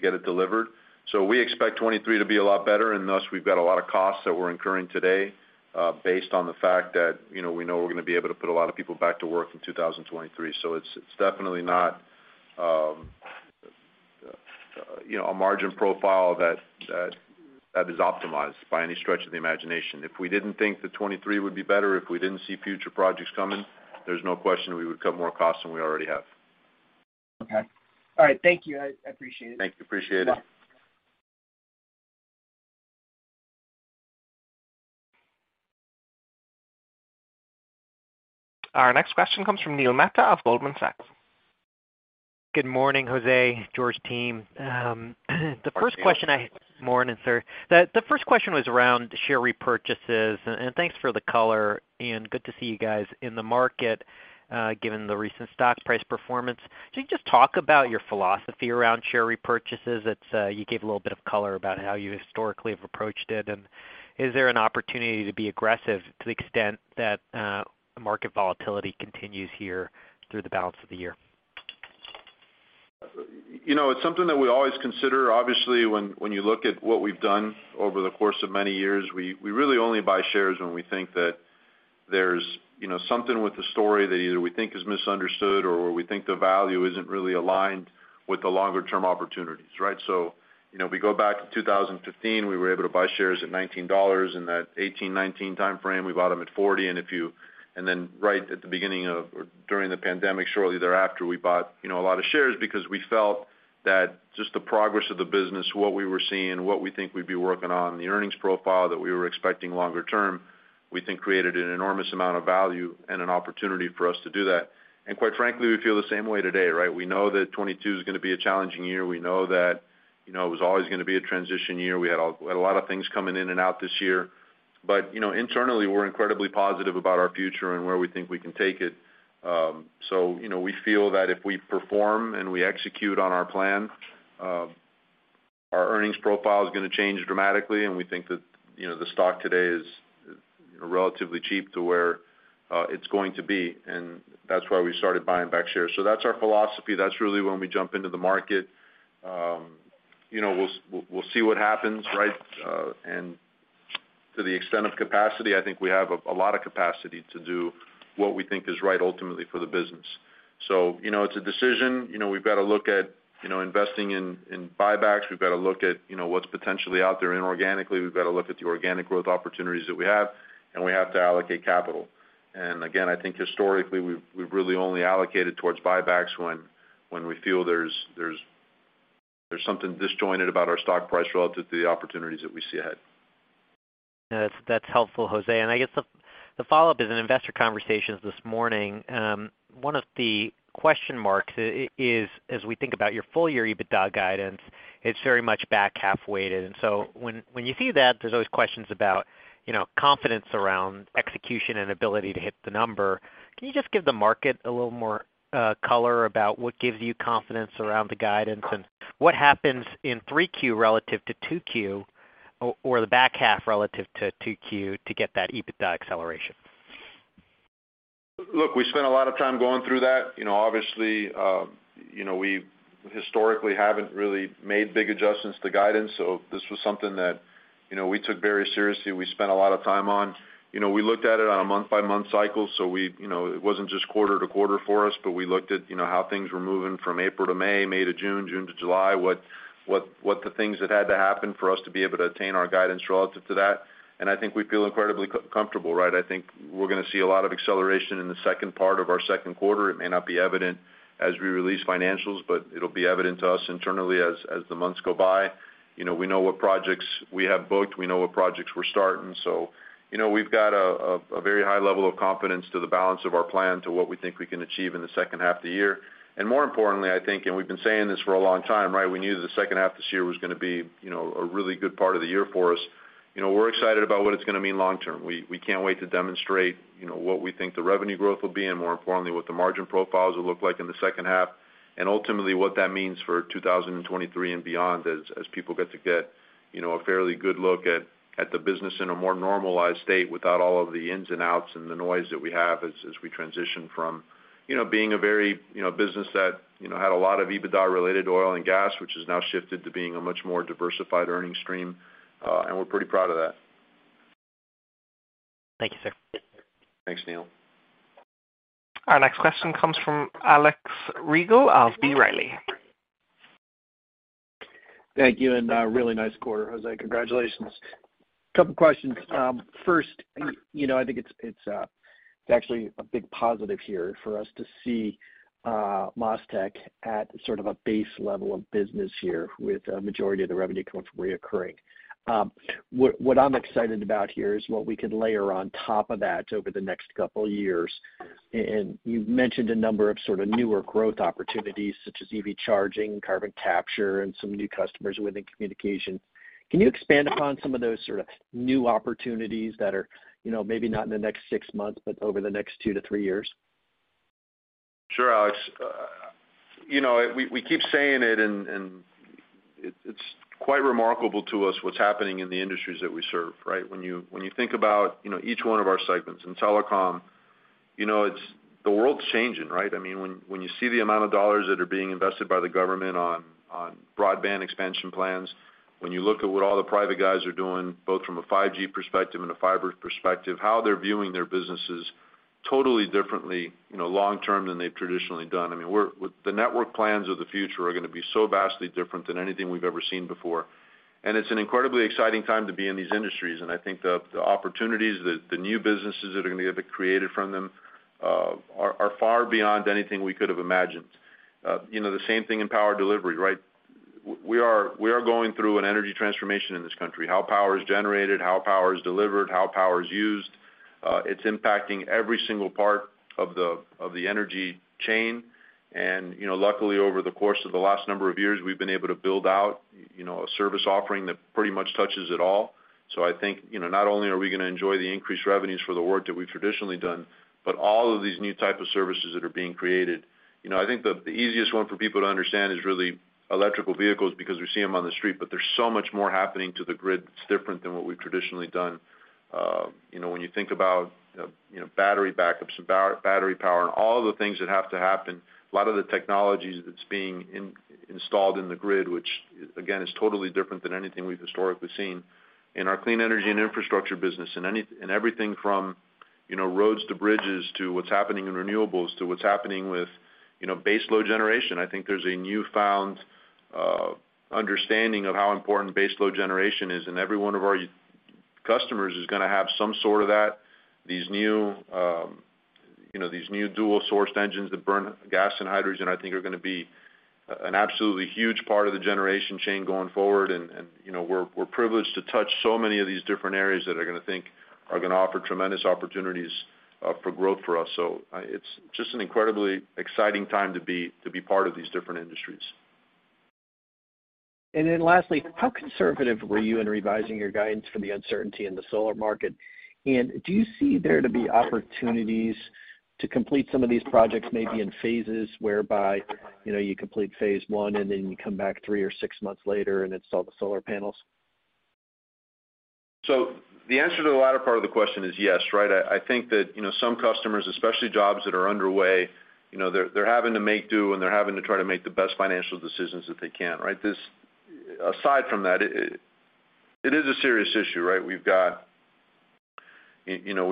get it delivered. We expect 2023 to be a lot better, and thus we've got a lot of costs that we're incurring today, based on the fact that, you know, we know we're gonna be able to put a lot of people back to work in 2023. It's definitely not, you know, a margin profile that is optimized by any stretch of the imagination. If we didn't think that 2023 would be better, if we didn't see future projects coming, there's no question we would cut more costs than we already have. Okay. All right. Thank you. I appreciate it. Thank you. Appreciate it. Bye. Our next question comes from Neil Mehta of Goldman Sachs. Good morning, José, George, team. Good morning. Morning, sir. The first question was around share repurchases, and thanks for the color, and good to see you guys in the market, given the recent stock price performance. Can you just talk about your philosophy around share repurchases? It's you gave a little bit of color about how you historically have approached it. Is there an opportunity to be aggressive to the extent that market volatility continues here through the balance of the year? You know, it's something that we always consider. Obviously, when you look at what we've done over the course of many years, we really only buy shares when we think that there's, you know, something with the story that either we think is misunderstood or we think the value isn't really aligned with the longer term opportunities, right? You know, we go back to 2015, we were able to buy shares at $19. In that 2018, 2019 timeframe, we bought them at $40. Right at the beginning of or during the pandemic, shortly thereafter, we bought, you know, a lot of shares because we felt that just the progress of the business, what we were seeing, what we think we'd be working on, the earnings profile that we were expecting longer term, we think created an enormous amount of value and an opportunity for us to do that. Quite frankly, we feel the same way today, right? We know that 2022 is gonna be a challenging year. We know that, you know, it was always gonna be a transition year. We had a lot of things coming in and out this year. You know, internally, we're incredibly positive about our future and where we think we can take it. You know, we feel that if we perform and we execute on our plan, our earnings profile is gonna change dramatically, and we think that, you know, the stock today is, you know, relatively cheap to where it's going to be, and that's why we started buying back shares. That's our philosophy. That's really when we jump into the market. You know, we'll see what happens, right? And to the extent of capacity, I think we have a lot of capacity to do what we think is right ultimately for the business. You know, it's a decision. You know, we've got to look at, you know, investing in buybacks. We've got to look at, you know, what's potentially out there inorganically. We've got to look at the organic growth opportunities that we have, and we have to allocate capital. Again, I think historically, we've really only allocated towards buybacks when we feel there's something disjointed about our stock price relative to the opportunities that we see ahead. That's helpful, José. I guess the follow-up is in investor conversations this morning, one of the question marks is as we think about your full year EBITDA guidance, it's very much back half weighted. When you see that, there's always questions about, you know, confidence around execution and ability to hit the number. Can you just give the market a little more color about what gives you confidence around the guidance and what happens in Q3 relative to Q2 or the back half relative to Q2 to get that EBITDA acceleration? Look, we spent a lot of time going through that. You know, obviously, you know, we historically haven't really made big adjustments to guidance, so this was something that, you know, we took very seriously, we spent a lot of time on. You know, we looked at it on a month by month cycle, so you know, it wasn't just quarter to quarter for us, but we looked at, you know, how things were moving from April to May to June to July, what the things that had to happen for us to be able to attain our guidance relative to that. I think we feel incredibly comfortable, right? I think we're gonna see a lot of acceleration in the second part of our second quarter. It may not be evident as we release financials, but it'll be evident to us internally as the months go by. You know, we know what projects we have booked. We know what projects we're starting. So, you know, we've got a very high level of confidence to the balance of our plan to what we think we can achieve in the second half of the year. More importantly, I think, and we've been saying this for a long time, right? We knew the second half this year was gonna be, you know, a really good part of the year for us. You know, we're excited about what it's gonna mean long term. We can't wait to demonstrate, you know, what we think the revenue growth will be and more importantly, what the margin profiles will look like in the second half. Ultimately, what that means for 2023 and beyond as people get to, you know, a fairly good look at the business in a more normalized state without all of the ins and outs and the noise that we have as we transition from, you know, being a very, you know, business that, you know, had a lot of EBITDA related to Oil & Gas, which has now shifted to being a much more diversified earnings stream, and we're pretty proud of that. Thank you, sir. Thanks, Neil. Our next question comes from Alex Rygiel of B. Riley. Thank you, and a really nice quarter, José. Congratulations. A couple questions. First, you know, I think it's actually a big positive here for us to see MasTec at sort of a base level of business here with a majority of the revenue coming from recurring. What I'm excited about here is what we could layer on top of that over the next couple years. You've mentioned a number of sort of newer growth opportunities such as EV charging, carbon capture, and some new customers within communications. Can you expand upon some of those sort of new opportunities that are, you know, maybe not in the next six months, but over the next two to three years? Sure, Alex. You know, we keep saying it and it's quite remarkable to us what's happening in the industries that we serve, right? When you think about, you know, each one of our segments in telecom, you know, the world's changing, right? I mean, when you see the amount of dollars that are being invested by the government on broadband expansion plans, when you look at what all the private guys are doing, both from a 5G perspective and a fiber perspective, how they're viewing their businesses totally differently, you know, long term than they've traditionally done. I mean, with the network plans of the future are gonna be so vastly different than anything we've ever seen before. It's an incredibly exciting time to be in these industries. I think the opportunities, the new businesses that are gonna be created from them are far beyond anything we could have imagined. You know, the same thing in Power Delivery, right? We are going through an energy transformation in this country. How power is generated, how power is delivered, how power is used, it's impacting every single part of the energy chain. You know, luckily, over the course of the last number of years, we've been able to build out, you know, a service offering that pretty much touches it all. I think, you know, not only are we gonna enjoy the increased revenues for the work that we've traditionally done, but all of these new type of services that are being created. You know, I think the easiest one for people to understand is really electric vehicles because we see them on the street, but there's so much more happening to the grid that's different than what we've traditionally done. You know, when you think about, you know, battery backups, battery power, and all the things that have to happen, a lot of the technologies that's being installed in the grid, which, again, is totally different than anything we've historically seen. In our clean energy and infrastructure business, in everything from, you know, roads to bridges to what's happening in renewables to what's happening with, you know, base load generation, I think there's a newfound understanding of how important base load generation is, and every one of our customers is gonna have some sort of that. These new dual-sourced engines that burn gas and hydrogen, I think are gonna be an absolutely huge part of the generation chain going forward. You know, we're privileged to touch so many of these different areas that are gonna, I think, are gonna offer tremendous opportunities for growth for us. It's just an incredibly exciting time to be part of these different industries. Lastly, how conservative were you in revising your guidance for the uncertainty in the solar market? Do you see there to be opportunities to complete some of these projects, maybe in phases whereby, you know, you complete phase one, and then you come back three or six months later and install the solar panels? The answer to the latter part of the question is yes, right? I think that, you know, some customers, especially jobs that are underway, you know, they're having to make do, and they're having to try to make the best financial decisions that they can, right? Aside from that, it is a serious issue, right? You know,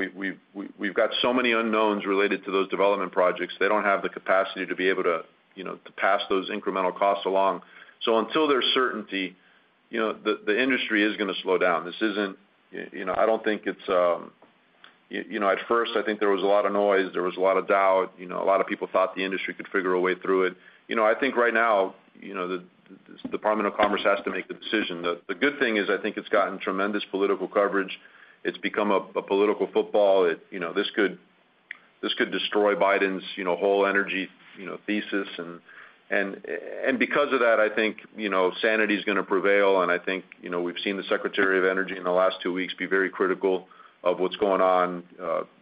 we've got so many unknowns related to those development projects. They don't have the capacity to be able to, you know, to pass those incremental costs along. Until there's certainty, you know, the industry is gonna slow down. You know, I don't think it's. You know, at first I think there was a lot of noise, there was a lot of doubt. You know, a lot of people thought the industry could figure a way through it. You know, I think right now, you know, the Department of Commerce has to make the decision. The good thing is, I think it's gotten tremendous political coverage. It's become a political football. You know, this could destroy Biden's, you know, whole energy, you know, thesis. And because of that, I think, you know, sanity's gonna prevail. I think, you know, we've seen the Secretary of Energy in the last two weeks be very critical of what's going on,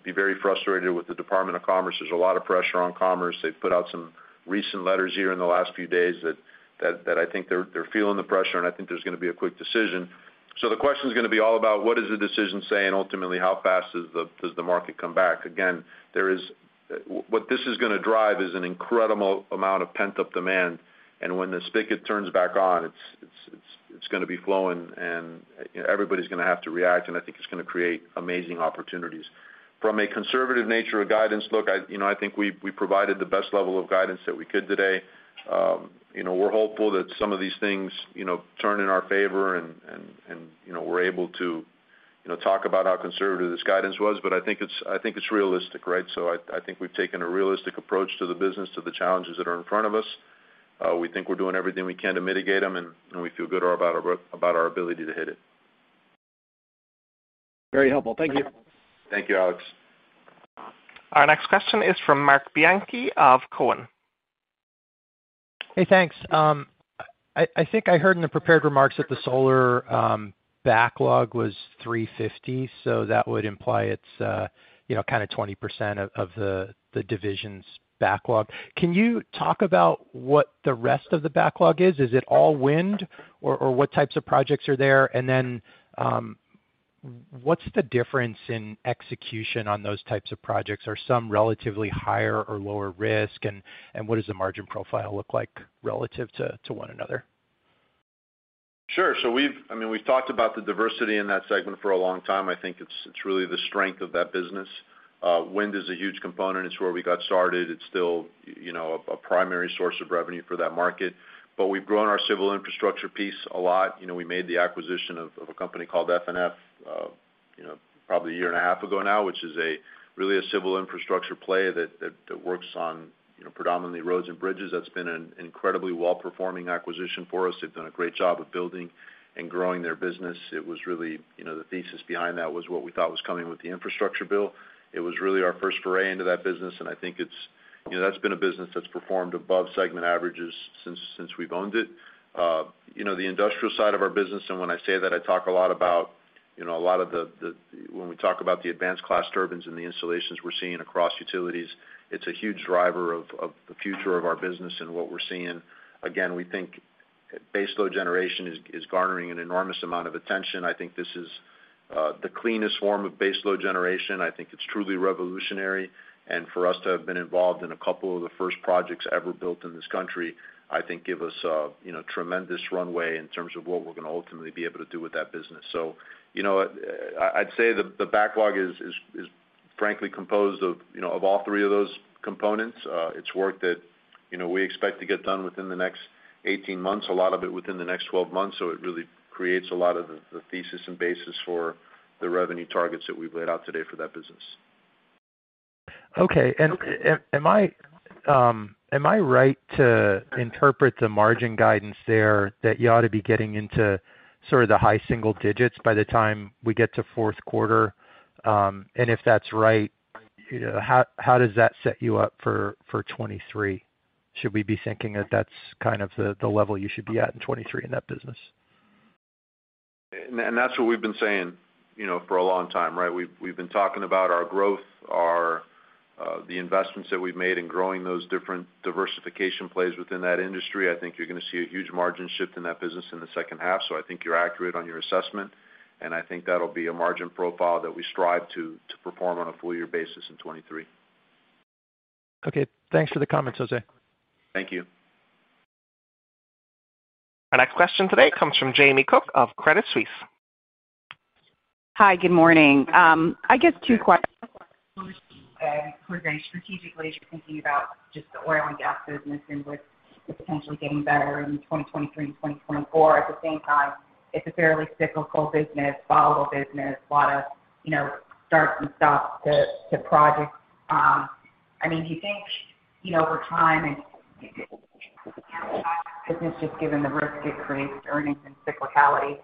be very frustrated with the Department of Commerce. There's a lot of pressure on Commerce. They've put out some recent letters here in the last few days that I think they're feeling the pressure, and I think there's gonna be a quick decision. The question's gonna be all about what does the decision say, and ultimately, how fast does the market come back? Again, what this is gonna drive is an incredible amount of pent-up demand. When the spigot turns back on, it's gonna be flowing and, you know, everybody's gonna have to react, and I think it's gonna create amazing opportunities. From a conservative nature of guidance look, I, you know, I think we provided the best level of guidance that we could today. You know, we're hopeful that some of these things, you know, turn in our favor and, you know, we're able to, you know, talk about how conservative this guidance was. I think it's realistic, right? I think we've taken a realistic approach to the business, to the challenges that are in front of us. We think we're doing everything we can to mitigate them, and we feel good about our ability to hit it. Very helpful. Thank you. Thank you, Alex. Our next question is from Marc Bianchi of Cowen. Hey, thanks. I think I heard in the prepared remarks that the solar backlog was $350 million, so that would imply it's you know kind of 20% of the division's backlog. Can you talk about what the rest of the backlog is? Is it all wind? Or what types of projects are there? And then what's the difference in execution on those types of projects? Are some relatively higher or lower risk? And what does the margin profile look like relative to one another? Sure. I mean, we've talked about the diversity in that segment for a long time. I think it's really the strength of that business. Wind is a huge component. It's where we got started. It's still, you know, a primary source of revenue for that market. We've grown our civil infrastructure piece a lot. You know, we made the acquisition of a company called FNF, you know, probably a year and a half ago now, which is really a civil infrastructure play that works on, you know, predominantly roads and bridges. That's been an incredibly well-performing acquisition for us. They've done a great job of building and growing their business. It was really, you know, the thesis behind that was what we thought was coming with the infrastructure bill. It was really our first foray into that business, and I think it's you know, that's been a business that's performed above segment averages since we've owned it. You know, the industrial side of our business, and when I say that, I talk a lot about you know, a lot of the when we talk about the advanced class turbines and the installations we're seeing across utilities, it's a huge driver of the future of our business and what we're seeing. Again, we think baseload generation is garnering an enormous amount of attention. I think this is the cleanest form of baseload generation. I think it's truly revolutionary. For us to have been involved in a couple of the first projects ever built in this country, I think give us a, you know, tremendous runway in terms of what we're gonna ultimately be able to do with that business. You know, I'd say the backlog is frankly composed of, you know, of all three of those components. It's work that, you know, we expect to get done within the next 18 months, a lot of it within the next 12 months. It really creates a lot of the thesis and basis for the revenue targets that we've laid out today for that business. Okay. Am I right to interpret the margin guidance there that you ought to be getting into sort of the high single digits by the time we get to fourth quarter? If that's right, how does that set you up for 2023? Should we be thinking that that's kind of the level you should be at in 2023 in that business? That's what we've been saying, you know, for a long time, right? We've been talking about our growth, our, the investments that we've made in growing those different diversification plays within that industry. I think you're gonna see a huge margin shift in that business in the second half. I think you're accurate on your assessment, and I think that'll be a margin profile that we strive to perform on a full year basis in 2023. Okay, thanks for the comments, José. Thank you. Our next question today comes from Jamie Cook of Credit Suisse. Hi, good morning. I guess two questions. First, strategically, as you're thinking about just the Oil & Gas business and with it potentially getting better in 2023 and 2024, at the same time, it's a fairly cyclical business, volatile business, a lot of, you know, starts and stops to projects. I mean, do you think, you know, over time and business, just given the risk it creates earnings and cyclicality?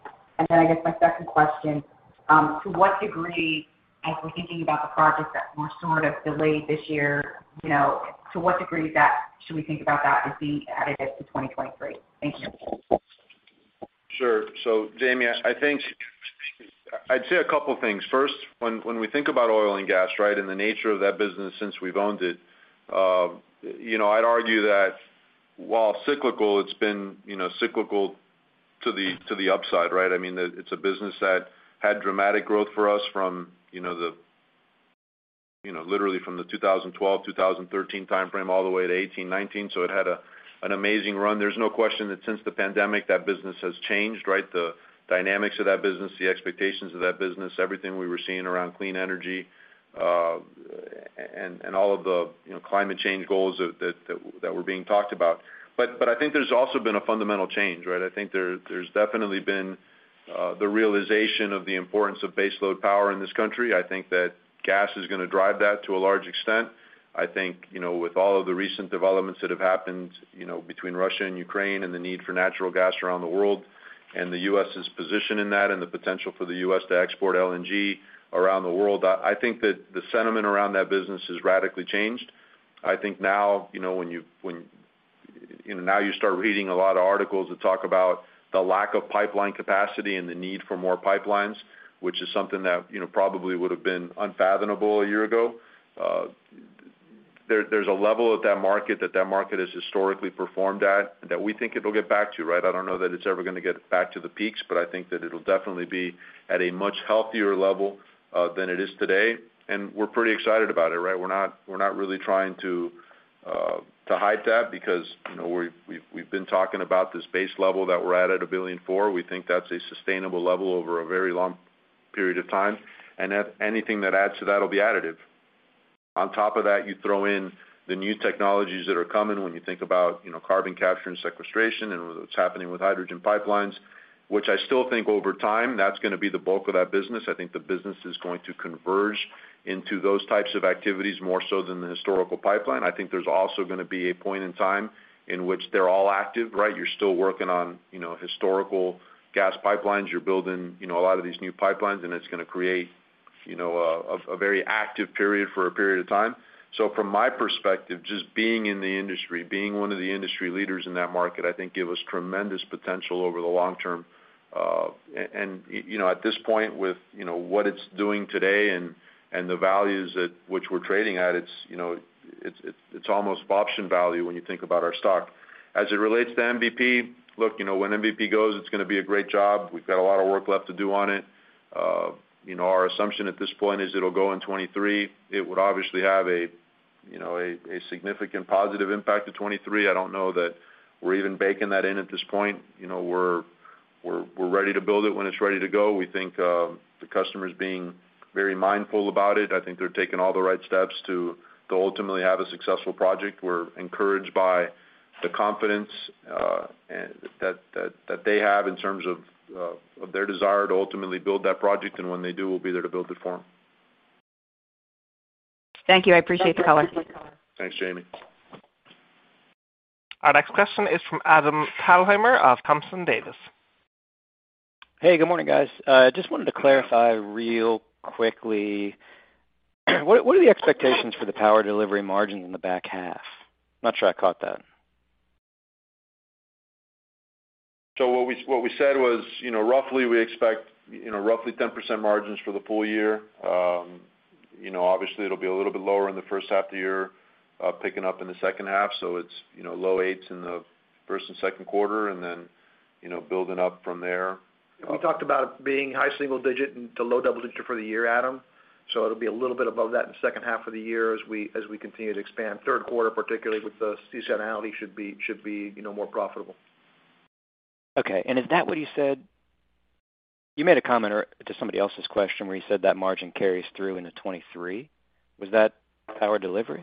Then I guess my second question, to what degree, as we're thinking about the projects that were sort of delayed this year, you know, to what degree that should we think about that as being additive to 2023? Thank you. Sure. Jamie, I think I'd say a couple things. First, when we think about Oil & Gas, right? The nature of that business since we've owned it, you know, I'd argue that while cyclical, it's been cyclical to the upside, right? I mean, it's a business that had dramatic growth for us from, you know, literally from the 2012, 2013 timeframe all the way to 2018, 2019. It had an amazing run. There's no question that since the pandemic, that business has changed, right? The dynamics of that business, the expectations of that business, everything we were seeing around clean energy, and all of the, you know, climate change goals that were being talked about. I think there's also been a fundamental change, right? I think there's definitely been the realization of the importance of baseload power in this country. I think that gas is gonna drive that to a large extent. I think, you know, with all of the recent developments that have happened, you know, between Russia and Ukraine and the need for natural gas around the world and the U.S.'s position in that and the potential for the U.S. to export LNG around the world, I think that the sentiment around that business has radically changed. I think now, you know, when, you know, now you start reading a lot of articles that talk about the lack of pipeline capacity and the need for more pipelines, which is something that, you know, probably would have been unfathomable a year ago. There's a level at that market that market has historically performed at that we think it'll get back to, right? I don't know that it's ever gonna get back to the peaks, but I think that it'll definitely be at a much healthier level than it is today, and we're pretty excited about it, right? We're not really trying to hide that because, you know, we've been talking about this base level that we're at $1.4 billion. We think that's a sustainable level over a very long period of time. Anything that adds to that will be additive. On top of that, you throw in the new technologies that are coming when you think about, you know, carbon capture and sequestration and what's happening with hydrogen pipelines, which I still think over time, that's gonna be the bulk of that business. I think the business is going to converge into those types of activities more so than the historical pipeline. I think there's also gonna be a point in time in which they're all active, right? You're still working on, you know, historical gas pipelines. You're building, you know, a lot of these new pipelines, and it's gonna create, you know, a very active period for a period of time. From my perspective, just being in the industry, being one of the industry leaders in that market, I think give us tremendous potential over the long term. You know, at this point with, you know, what it's doing today and the values at which we're trading at, it's, you know, it's almost option value when you think about our stock. As it relates to MVP, look, you know, when MVP goes, it's gonna be a great job. We've got a lot of work left to do on it. You know, our assumption at this point is it'll go in 2023. It would obviously have a, you know, a significant positive impact to 2023. I don't know that we're even baking that in at this point. You know, we're ready to build it when it's ready to go. We think the customer's being very mindful about it. I think they're taking all the right steps to ultimately have a successful project. We're encouraged by the confidence and that they have in terms of their desire to ultimately build that project. When they do, we'll be there to build it for them. Thank you. I appreciate the color. Thanks, Jamie. Our next question is from Adam Thalhimer of Thompson Davis. Hey, good morning, guys. Just wanted to clarify real quickly, what are the expectations for the Power Delivery margin in the back half? Not sure I caught that. What we said was, you know, roughly we expect, you know, roughly 10% margins for the full year. You know, obviously it'll be a little bit lower in the first half of the year, picking up in the second half. It's, you know, low 8s% in the first and second quarter and then, you know, building up from there. We talked about being high single digit to low double digit for the year, Adam. It'll be a little bit above that in the second half of the year as we continue to expand. Third quarter, particularly with the seasonality, should be, you know, more profitable. Okay. Is that what you said? You made a comment earlier to somebody else's question where you said that margin carries through into 2023. Was that Power Delivery?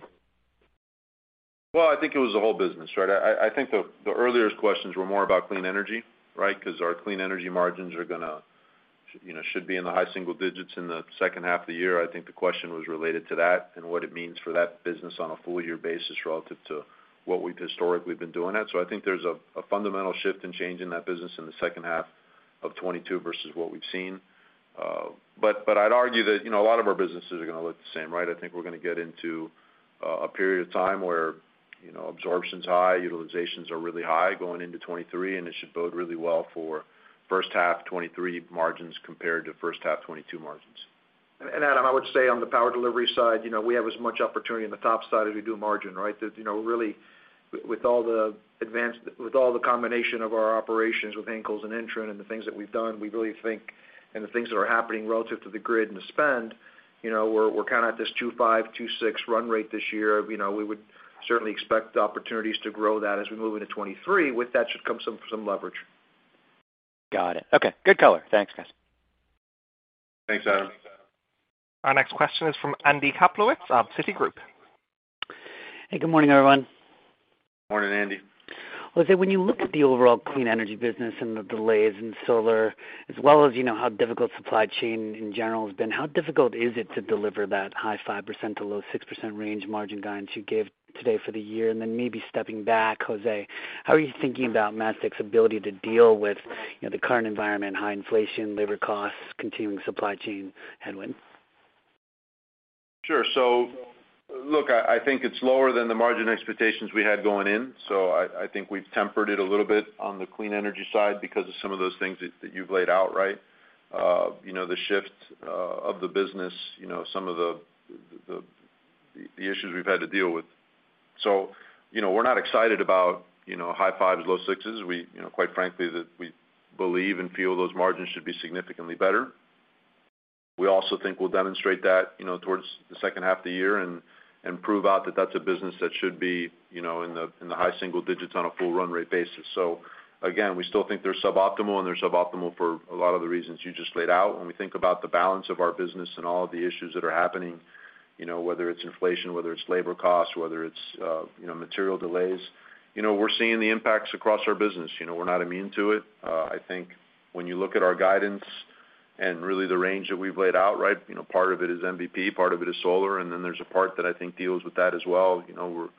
Well, I think it was the whole business, right? I think the earlier questions were more about clean energy, right? Because our Clean Energy margins are gonna, you know, should be in the high single digits in the second half of the year. I think the question was related to that and what it means for that business on a full year basis relative to what we've historically been doing that. I think there's a fundamental shift and change in that business in the second half of 2022 versus what we've seen. I'd argue that, you know, a lot of our businesses are gonna look the same, right? I think we're gonna get into a period of time where, you know, absorption's high, utilizations are really high going into 2023, and it should bode really well for first half 2023 margins compared to first half 2022 margins. Adam, I would say on the Power Delivery side, you know, we have as much opportunity on the top side as we do margin, right? There's, you know, really with all the combination of our operations with Henkels & McCoy and INTREN and the things that we've done, we really think and the things that are happening relative to the grid and the spend, you know, we're kind of at this $2.5 billion-$2.6 billion run rate this year. You know, we would certainly expect opportunities to grow that as we move into 2023. With that should come some leverage. Got it. Okay. Good color. Thanks, guys. Thanks, Adam. Our next question is from Andy Kaplowitz of Citigroup. Hey, good morning, everyone. Morning, Andy. José, when you look at the overall clean energy business and the delays in solar, as well as you know how difficult supply chain in general has been, how difficult is it to deliver that high 5% to low 6% range margin guidance you gave today for the year? Maybe stepping back, José, how are you thinking about MasTec's ability to deal with, you know, the current environment, high inflation, labor costs, continuing supply chain headwinds? Sure. Look, I think it's lower than the margin expectations we had going in. I think we've tempered it a little bit on the clean energy side because of some of those things that you've laid out, right? You know, the shift of the business, you know, some of the issues we've had to deal with. We're not excited about, you know, high 5s%, low 6s%. You know, quite frankly, we believe and feel those margins should be significantly better. We also think we'll demonstrate that, you know, towards the second half of the year and prove out that that's a business that should be, you know, in the high single digits on a full run rate basis. Again, we still think they're suboptimal, and they're suboptimal for a lot of the reasons you just laid out. When we think about the balance of our business and all of the issues that are happening, you know, whether it's inflation, whether it's labor costs, whether it's, you know, material delays, you know, we're seeing the impacts across our business. You know, we're not immune to it. I think when you look at our guidance and really the range that we've laid out, right, you know, part of it is MVP, part of it is solar, and then there's a part that I think deals with that as well. You know,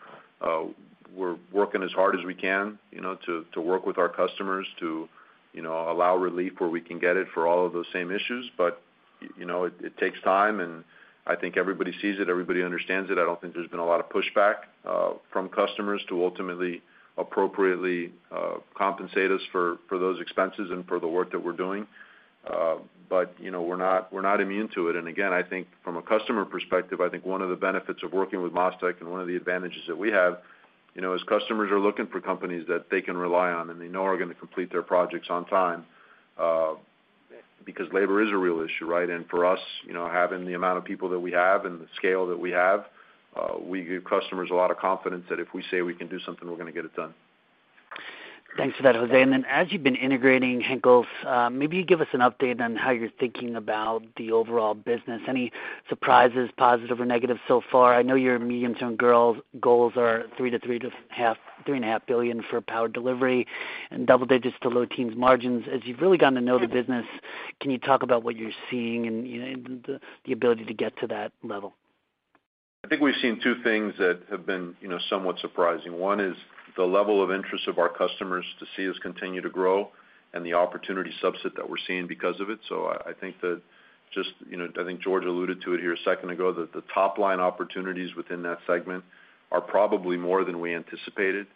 we're working as hard as we can, you know, to work with our customers to, you know, allow relief where we can get it for all of those same issues. You know, it takes time, and I think everybody sees it, everybody understands it. I don't think there's been a lot of pushback from customers to ultimately appropriately compensate us for those expenses and for the work that we're doing. You know, we're not immune to it. Again, I think from a customer perspective, I think one of the benefits of working with MasTec and one of the advantages that we have, you know, is customers are looking for companies that they can rely on and they know are gonna complete their projects on time, because labor is a real issue, right? For us, you know, having the amount of people that we have and the scale that we have, we give customers a lot of confidence that if we say we can do something, we're gonna get it done. Thanks for that, José. As you've been integrating Henkels, maybe you give us an update on how you're thinking about the overall business. Any surprises, positive or negative so far? I know your medium-term goals are $3 billion-$3.5 billion for power delivery and double digits to low teens margins. As you've really gotten to know the business, can you talk about what you're seeing and the ability to get to that level? I think we've seen two things that have been, you know, somewhat surprising. One is the level of interest of our customers to see us continue to grow and the opportunity subset that we're seeing because of it. I think that just, you know, I think George alluded to it here a second ago, that the top line opportunities within that segment are probably more than we anticipated.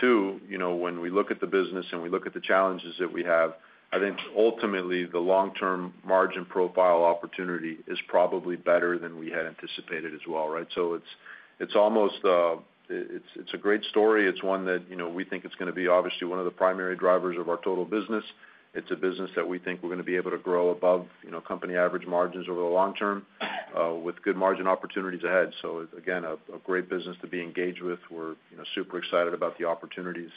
Two, you know, when we look at the business and we look at the challenges that we have, I think ultimately the long-term margin profile opportunity is probably better than we had anticipated as well, right? It's almost a great story. It's one that, you know, we think it's gonna be obviously one of the primary drivers of our total business. It's a business that we think we're gonna be able to grow above, you know, company average margins over the long term with good margin opportunities ahead. Again, a great business to be engaged with. We're, you know, super excited about the opportunities,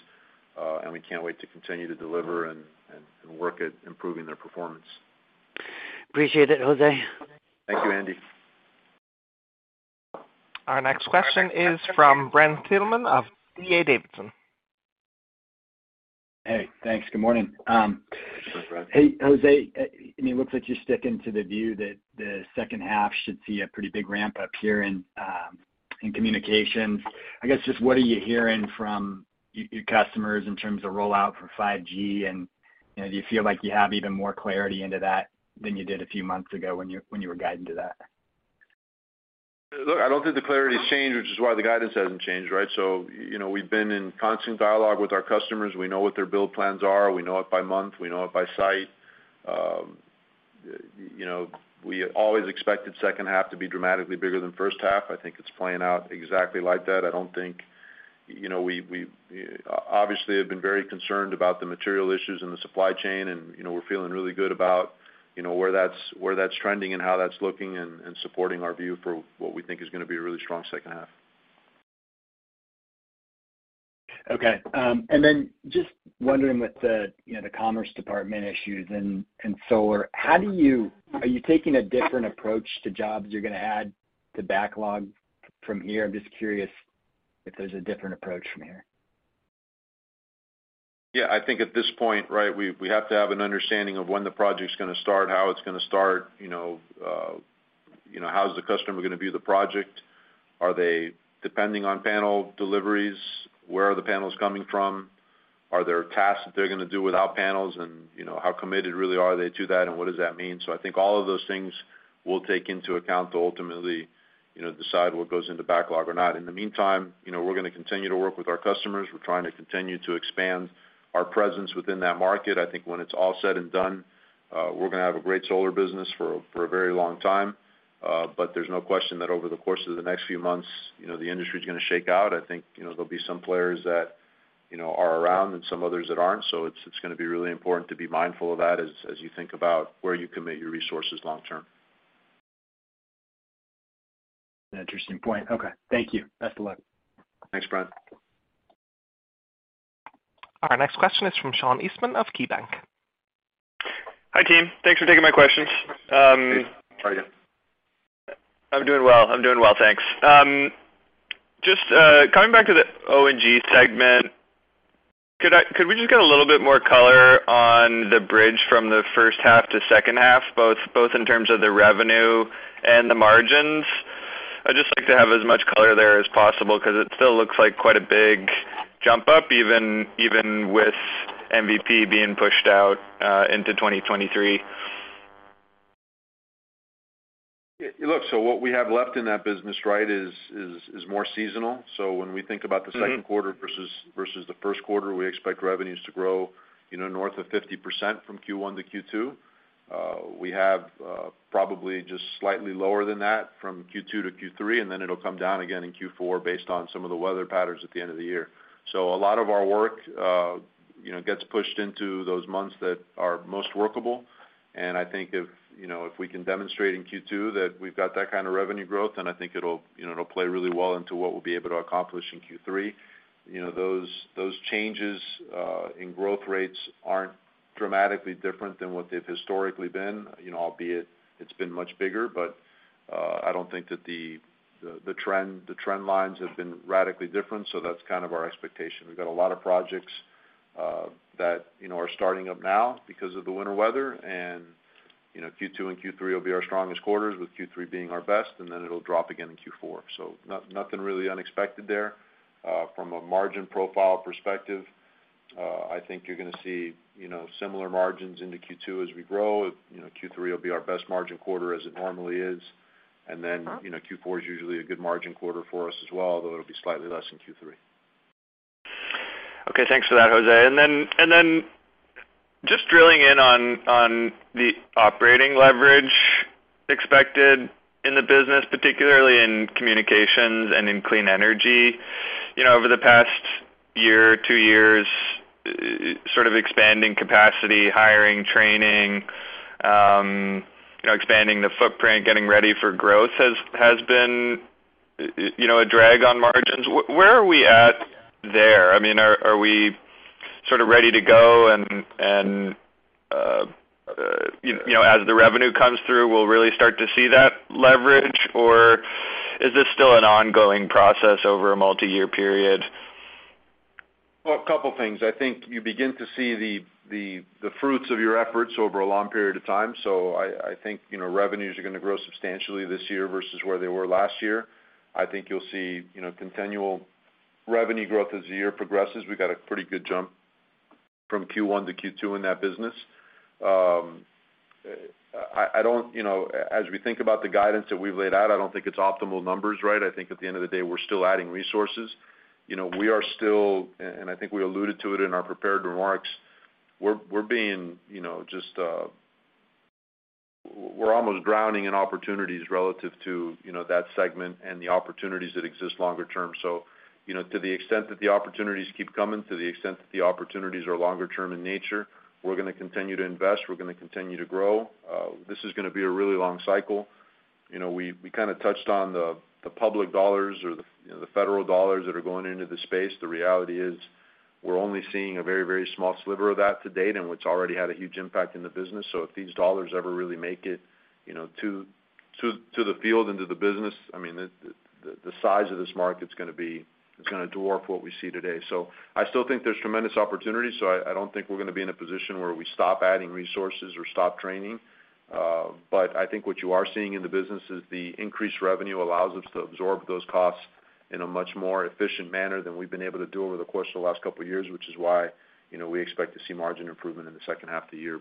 and we can't wait to continue to deliver and work at improving their performance. Appreciate it, José. Thank you, Andy. Our next question is from Brent Thielman of D.A. Davidson. Hey, thanks. Good morning. Hey, Brent. Hey, José. I mean, looks like you're sticking to the view that the second half should see a pretty big ramp up here in communications. I guess just what are you hearing from your customers in terms of rollout for 5G? You know, do you feel like you have even more clarity into that than you did a few months ago when you were guiding to that? Look, I don't think the clarity's changed, which is why the guidance hasn't changed, right? You know, we've been in constant dialogue with our customers. We know what their build plans are. We know it by month. We know it by site. You know, we always expected second half to be dramatically bigger than first half. I think it's playing out exactly like that. I don't think, you know, we obviously have been very concerned about the material issues in the supply chain, and, you know, we're feeling really good about, you know, where that's trending and how that's looking and supporting our view for what we think is gonna be a really strong second half. Okay. Just wondering with the, you know, the Department of Commerce issues and solar, are you taking a different approach to jobs you're gonna add to backlog from here? I'm just curious if there's a different approach from here. Yeah. I think at this point, right, we have to have an understanding of when the project's gonna start, how it's gonna start, you know, you know, how's the customer gonna view the project? Are they depending on panel deliveries? Where are the panels coming from? Are there tasks that they're gonna do without panels? And, you know, how committed really are they to that, and what does that mean? I think all of those things we'll take into account to ultimately, you know, decide what goes into backlog or not. In the meantime, you know, we're gonna continue to work with our customers. We're trying to continue to expand our presence within that market. I think when it's all said and done, we're gonna have a great solar business for a very long time. there's no question that over the course of the next few months, you know, the industry's gonna shake out. I think, you know, there'll be some players that, you know, are around and some others that aren't, so it's gonna be really important to be mindful of that as you think about where you commit your resources long term. An interesting point. Okay. Thank you. Best of luck. Thanks, Brent. Our next question is from Sean Eastman of KeyBanc. Hi, team. Thanks for taking my questions. Please. How are you? I'm doing well. I'm doing well, thanks. Just coming back to the O&G segment, could we just get a little bit more color on the bridge from the first half to second half, both in terms of the revenue and the margins? I'd just like to have as much color there as possible 'cause it still looks like quite a big jump up, even with MVP being pushed out into 2023. Yeah, look, what we have left in that business, right, is more seasonal. When we think about the second quarter versus the first quarter, we expect revenues to grow, you know, north of 50% from Q1 to Q2. We have probably just slightly lower than that from Q2 to Q3, and then it'll come down again in Q4 based on some of the weather patterns at the end of the year. A lot of our work, you know, gets pushed into those months that are most workable, and I think if, you know, if we can demonstrate in Q2 that we've got that kind of revenue growth, then I think it'll, you know, play really well into what we'll be able to accomplish in Q3. You know, those changes in growth rates aren't dramatically different than what they've historically been. You know, albeit it's been much bigger, but I don't think that the trend lines have been radically different, so that's kind of our expectation. We've got a lot of projects that you know, are starting up now because of the winter weather and you know, Q2 and Q3 will be our strongest quarters, with Q3 being our best, and then it'll drop again in Q4. So nothing really unexpected there. From a margin profile perspective, I think you're gonna see you know, similar margins into Q2 as we grow. You know, Q3 will be our best margin quarter as it normally is. Then, you know, Q4 is usually a good margin quarter for us as well, although it'll be slightly less than Q3. Okay. Thanks for that, José. Just drilling in on the operating leverage expected in the business, particularly in communications and in clean energy. You know, over the past year or two years, sort of expanding capacity, hiring, training, you know, expanding the footprint, getting ready for growth has been a drag on margins. Where are we at there? I mean, are we sort of ready to go and you know, as the revenue comes through, we'll really start to see that leverage? Or is this still an ongoing process over a multiyear period? Well, a couple things. I think you begin to see the fruits of your efforts over a long period of time. I think, you know, revenues are gonna grow substantially this year versus where they were last year. I think you'll see, you know, continual revenue growth as the year progresses. We got a pretty good jump from Q1 to Q2 in that business. I don't. You know, as we think about the guidance that we've laid out, I don't think it's optimal numbers, right? I think at the end of the day, we're still adding resources. You know, we are still and I think we alluded to it in our prepared remarks, we're being, you know, just, we're almost drowning in opportunities relative to, you know, that segment and the opportunities that exist longer term. You know, to the extent that the opportunities keep coming, to the extent that the opportunities are longer term in nature, we're gonna continue to invest, we're gonna continue to grow. This is gonna be a really long cycle. You know, we kinda touched on the public dollars or you know, the federal dollars that are going into the space. The reality is we're only seeing a very, very small sliver of that to date, and which already had a huge impact in the business. If these dollars ever really make it, you know, to the field and to the business, I mean, the size of this market's gonna be. It's gonna dwarf what we see today. I still think there's tremendous opportunity. I don't think we're gonna be in a position where we stop adding resources or stop training. I think what you are seeing in the business is the increased revenue allows us to absorb those costs in a much more efficient manner than we've been able to do over the course of the last couple of years, which is why, you know, we expect to see margin improvement in the second half of the year.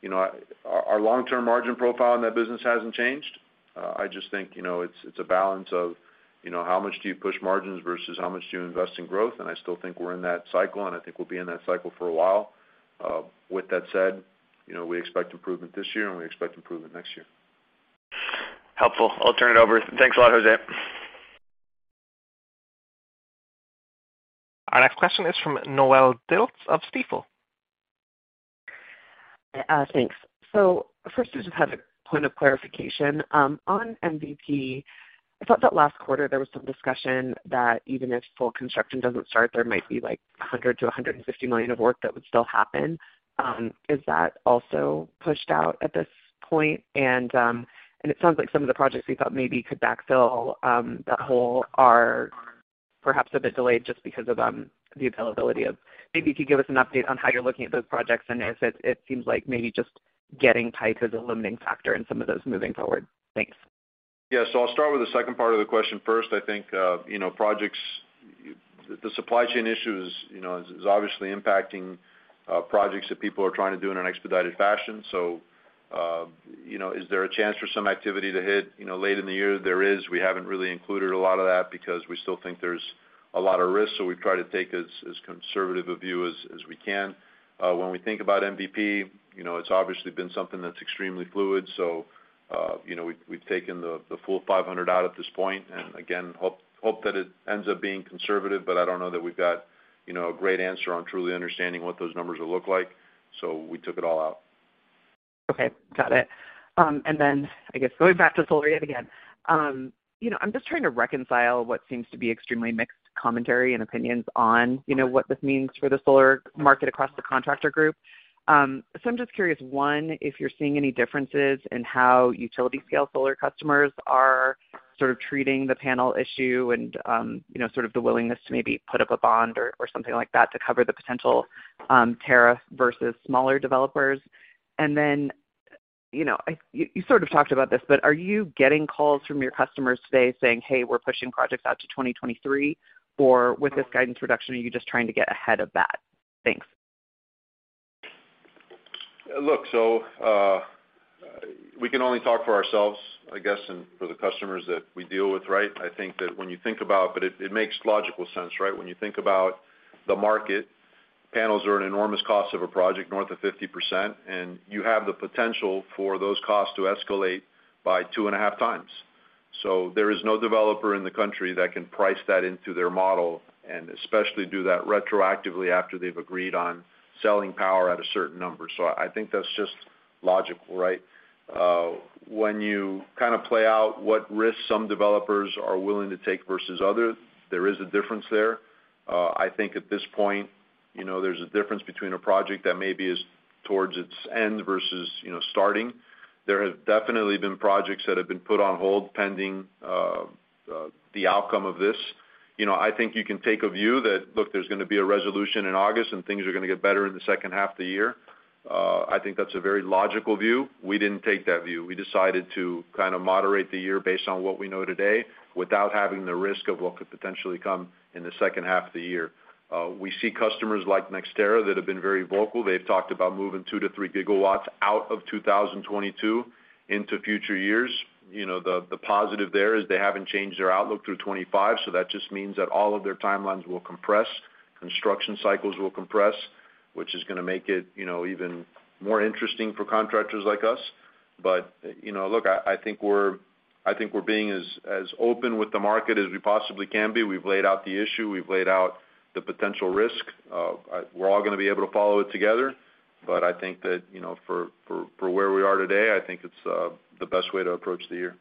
You know, our long-term margin profile in that business hasn't changed. I just think, you know, it's a balance of, you know, how much do you push margins versus how much do you invest in growth, and I still think we're in that cycle, and I think we'll be in that cycle for a while. With that said, you know, we expect improvement this year, and we expect improvement next year. Helpful. I'll turn it over. Thanks a lot, José. Our next question is from Noelle Dilts of Stifel. First I just have a point of clarification. On MVP, I thought that last quarter there was some discussion that even if full construction doesn't start, there might be like $100 million-$150 million of work that would still happen. Is that also pushed out at this point? It sounds like some of the projects we thought maybe could backfill that hole are perhaps a bit delayed just because of the availability of. Maybe if you could give us an update on how you're looking at those projects and if it seems like maybe just getting pipe is a limiting factor in some of those moving forward. Thanks. Yeah. I'll start with the second part of the question first. I think, you know, projects. The supply chain issue is, you know, is obviously impacting projects that people are trying to do in an expedited fashion. You know, is there a chance for some activity to hit, you know, late in the year? There is. We haven't really included a lot of that because we still think there's a lot of risk, so we try to take as conservative a view as we can. When we think about MVP, you know, it's obviously been something that's extremely fluid. You know, we've taken the full $500 million out at this point, and again, hope that it ends up being conservative, but I don't know that we've got, you know, a great answer on truly understanding what those numbers will look like, so we took it all out. Okay. Got it. I guess going back to solar yet again. You know, I'm just trying to reconcile what seems to be extremely mixed commentary and opinions on, you know, what this means for the solar market across the contractor group. I'm just curious, one, if you're seeing any differences in how utility scale solar customers are sort of treating the panel issue and, you know, sort of the willingness to maybe put up a bond or something like that to cover the potential tariff versus smaller developers. You know, you sort of talked about this, but are you getting calls from your customers today saying, "Hey, we're pushing projects out to 2023?" Or with this guidance reduction, are you just trying to get ahead of that? Thanks. Look, we can only talk for ourselves, I guess, and for the customers that we deal with, right? I think that when you think about it makes logical sense, right? When you think about the market, panels are an enormous cost of a project, north of 50%, and you have the potential for those costs to escalate by two and a half times. There is no developer in the country that can price that into their model, and especially do that retroactively after they've agreed on selling power at a certain number. I think that's just logical, right? When you kinda play out what risks some developers are willing to take versus others, there is a difference there. I think at this point, you know, there's a difference between a project that maybe is towards its end versus, you know, starting. There have definitely been projects that have been put on hold pending the outcome of this. You know, I think you can take a view that, look, there's gonna be a resolution in August and things are gonna get better in the second half of the year. I think that's a very logical view. We didn't take that view. We decided to kind of moderate the year based on what we know today without having the risk of what could potentially come in the second half of the year. We see customers like NextEra that have been very vocal. They've talked about moving 2 GW-3 GW out of 2022 into future years. You know, the positive there is they haven't changed their outlook through 2025, so that just means that all of their timelines will compress, construction cycles will compress, which is gonna make it, you know, even more interesting for contractors like us. But, you know, look, I think we're being as open with the market as we possibly can be. We've laid out the issue, we've laid out the potential risk. We're all gonna be able to follow it together. But I think that, you know, for where we are today, I think it's the best way to approach the year.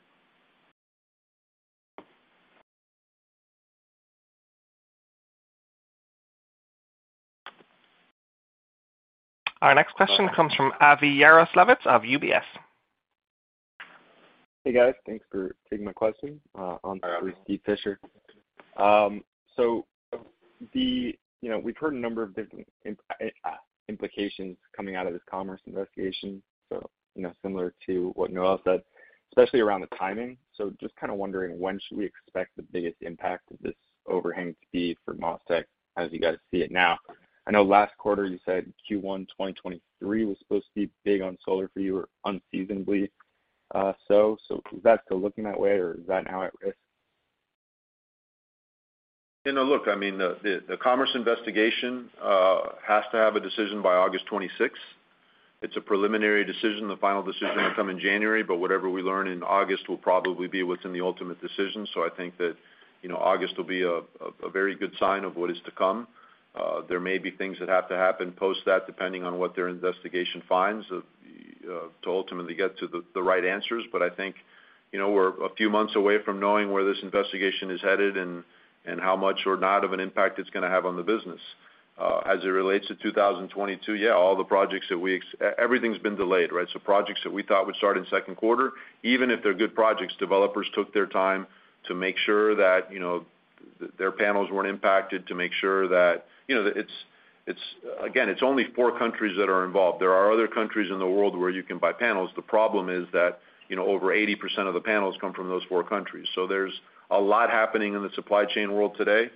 Our next question comes from Avi Jaroslawicz of UBS. Hey, guys. Thanks for taking my question. On for Steve Fisher. You know, we've heard a number of different implications coming out of this commerce investigation, you know, similar to what Noelle said, especially around the timing. Just kinda wondering, when should we expect the biggest impact of this overhang to be for MasTec as you guys see it now? I know last quarter you said Q1 2023 was supposed to be big on solar for you or unseasonably, so is that still looking that way or is that now at risk? You know, look, I mean, the Department of Commerce investigation has to have a decision by August 26th. It's a preliminary decision. The final decision will come in January, but whatever we learn in August will probably be what's in the ultimate decision. I think that, you know, August will be a very good sign of what is to come. There may be things that have to happen post that depending on what their investigation finds to ultimately get to the right answers. I think, you know, we're a few months away from knowing where this investigation is headed and how much or not of an impact it's gonna have on the business. As it relates to 2022, yeah, everything's been delayed, right? Projects that we thought would start in second quarter, even if they're good projects, developers took their time to make sure that, you know, their panels weren't impacted, to make sure that. You know, it's. Again, it's only four countries that are involved. There are other countries in the world where you can buy panels. The problem is that, you know, over 80% of the panels come from those four countries. There's a lot happening in the supply chain world today.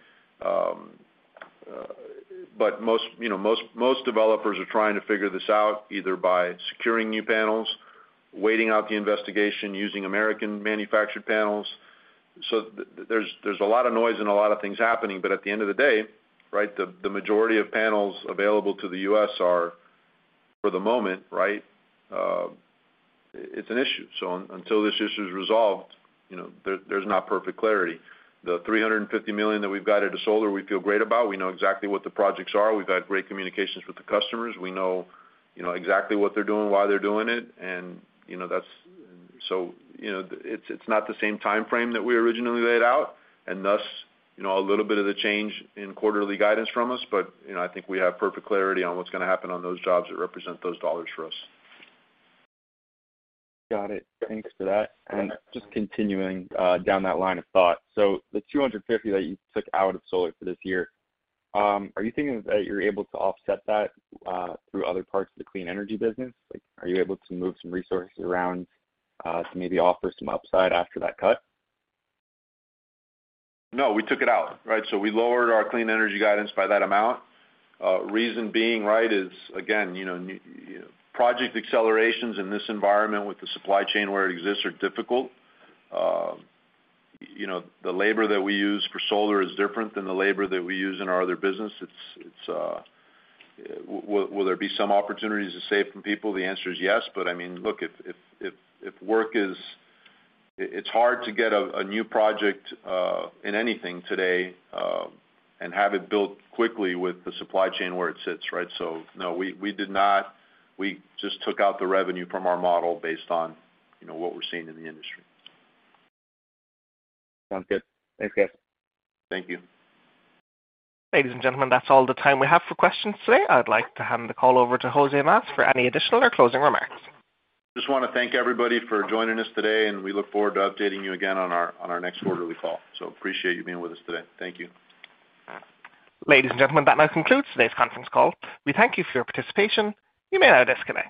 Most, you know, most developers are trying to figure this out, either by securing new panels, waiting out the investigation, using American manufactured panels. There's a lot of noise and a lot of things happening. At the end of the day, right, the majority of panels available to the U.S. are for the moment, right? It's an issue. Until this issue is resolved, you know, there's not perfect clarity. The $350 million that we've got into solar, we feel great about. We know exactly what the projects are. We've had great communications with the customers. We know, you know, exactly what they're doing, why they're doing it, and, you know, that's it. It's not the same timeframe that we originally laid out, and thus, you know, a little bit of the change in quarterly guidance from us. I think we have perfect clarity on what's gonna happen on those jobs that represent those dollars for us. Got it. Thanks for that. Just continuing down that line of thought. The $250 that you took out of solar for this year, are you thinking that you're able to offset that, through other parts of the clean energy business? Like, are you able to move some resources around, to maybe offer some upside after that cut? No, we took it out, right? We lowered our clean energy guidance by that amount. Reason being, right, is again, you know, project accelerations in this environment with the supply chain where it exists are difficult. You know, the labor that we use for solar is different than the labor that we use in our other business. Will there be some opportunities to save from people? The answer is yes. I mean, look, It's hard to get a new project in anything today and have it built quickly with the supply chain where it sits, right? No, we did not. We just took out the revenue from our model based on, you know, what we're seeing in the industry. Sounds good. Thanks, guys. Thank you. Ladies and gentlemen, that's all the time we have for questions today. I'd like to hand the call over to José Mas for any additional or closing remarks. Just wanna thank everybody for joining us today, and we look forward to updating you again on our next quarterly call. Appreciate you being with us today. Thank you. Ladies and gentlemen, that now concludes today's conference call. We thank you for your participation. You may now disconnect.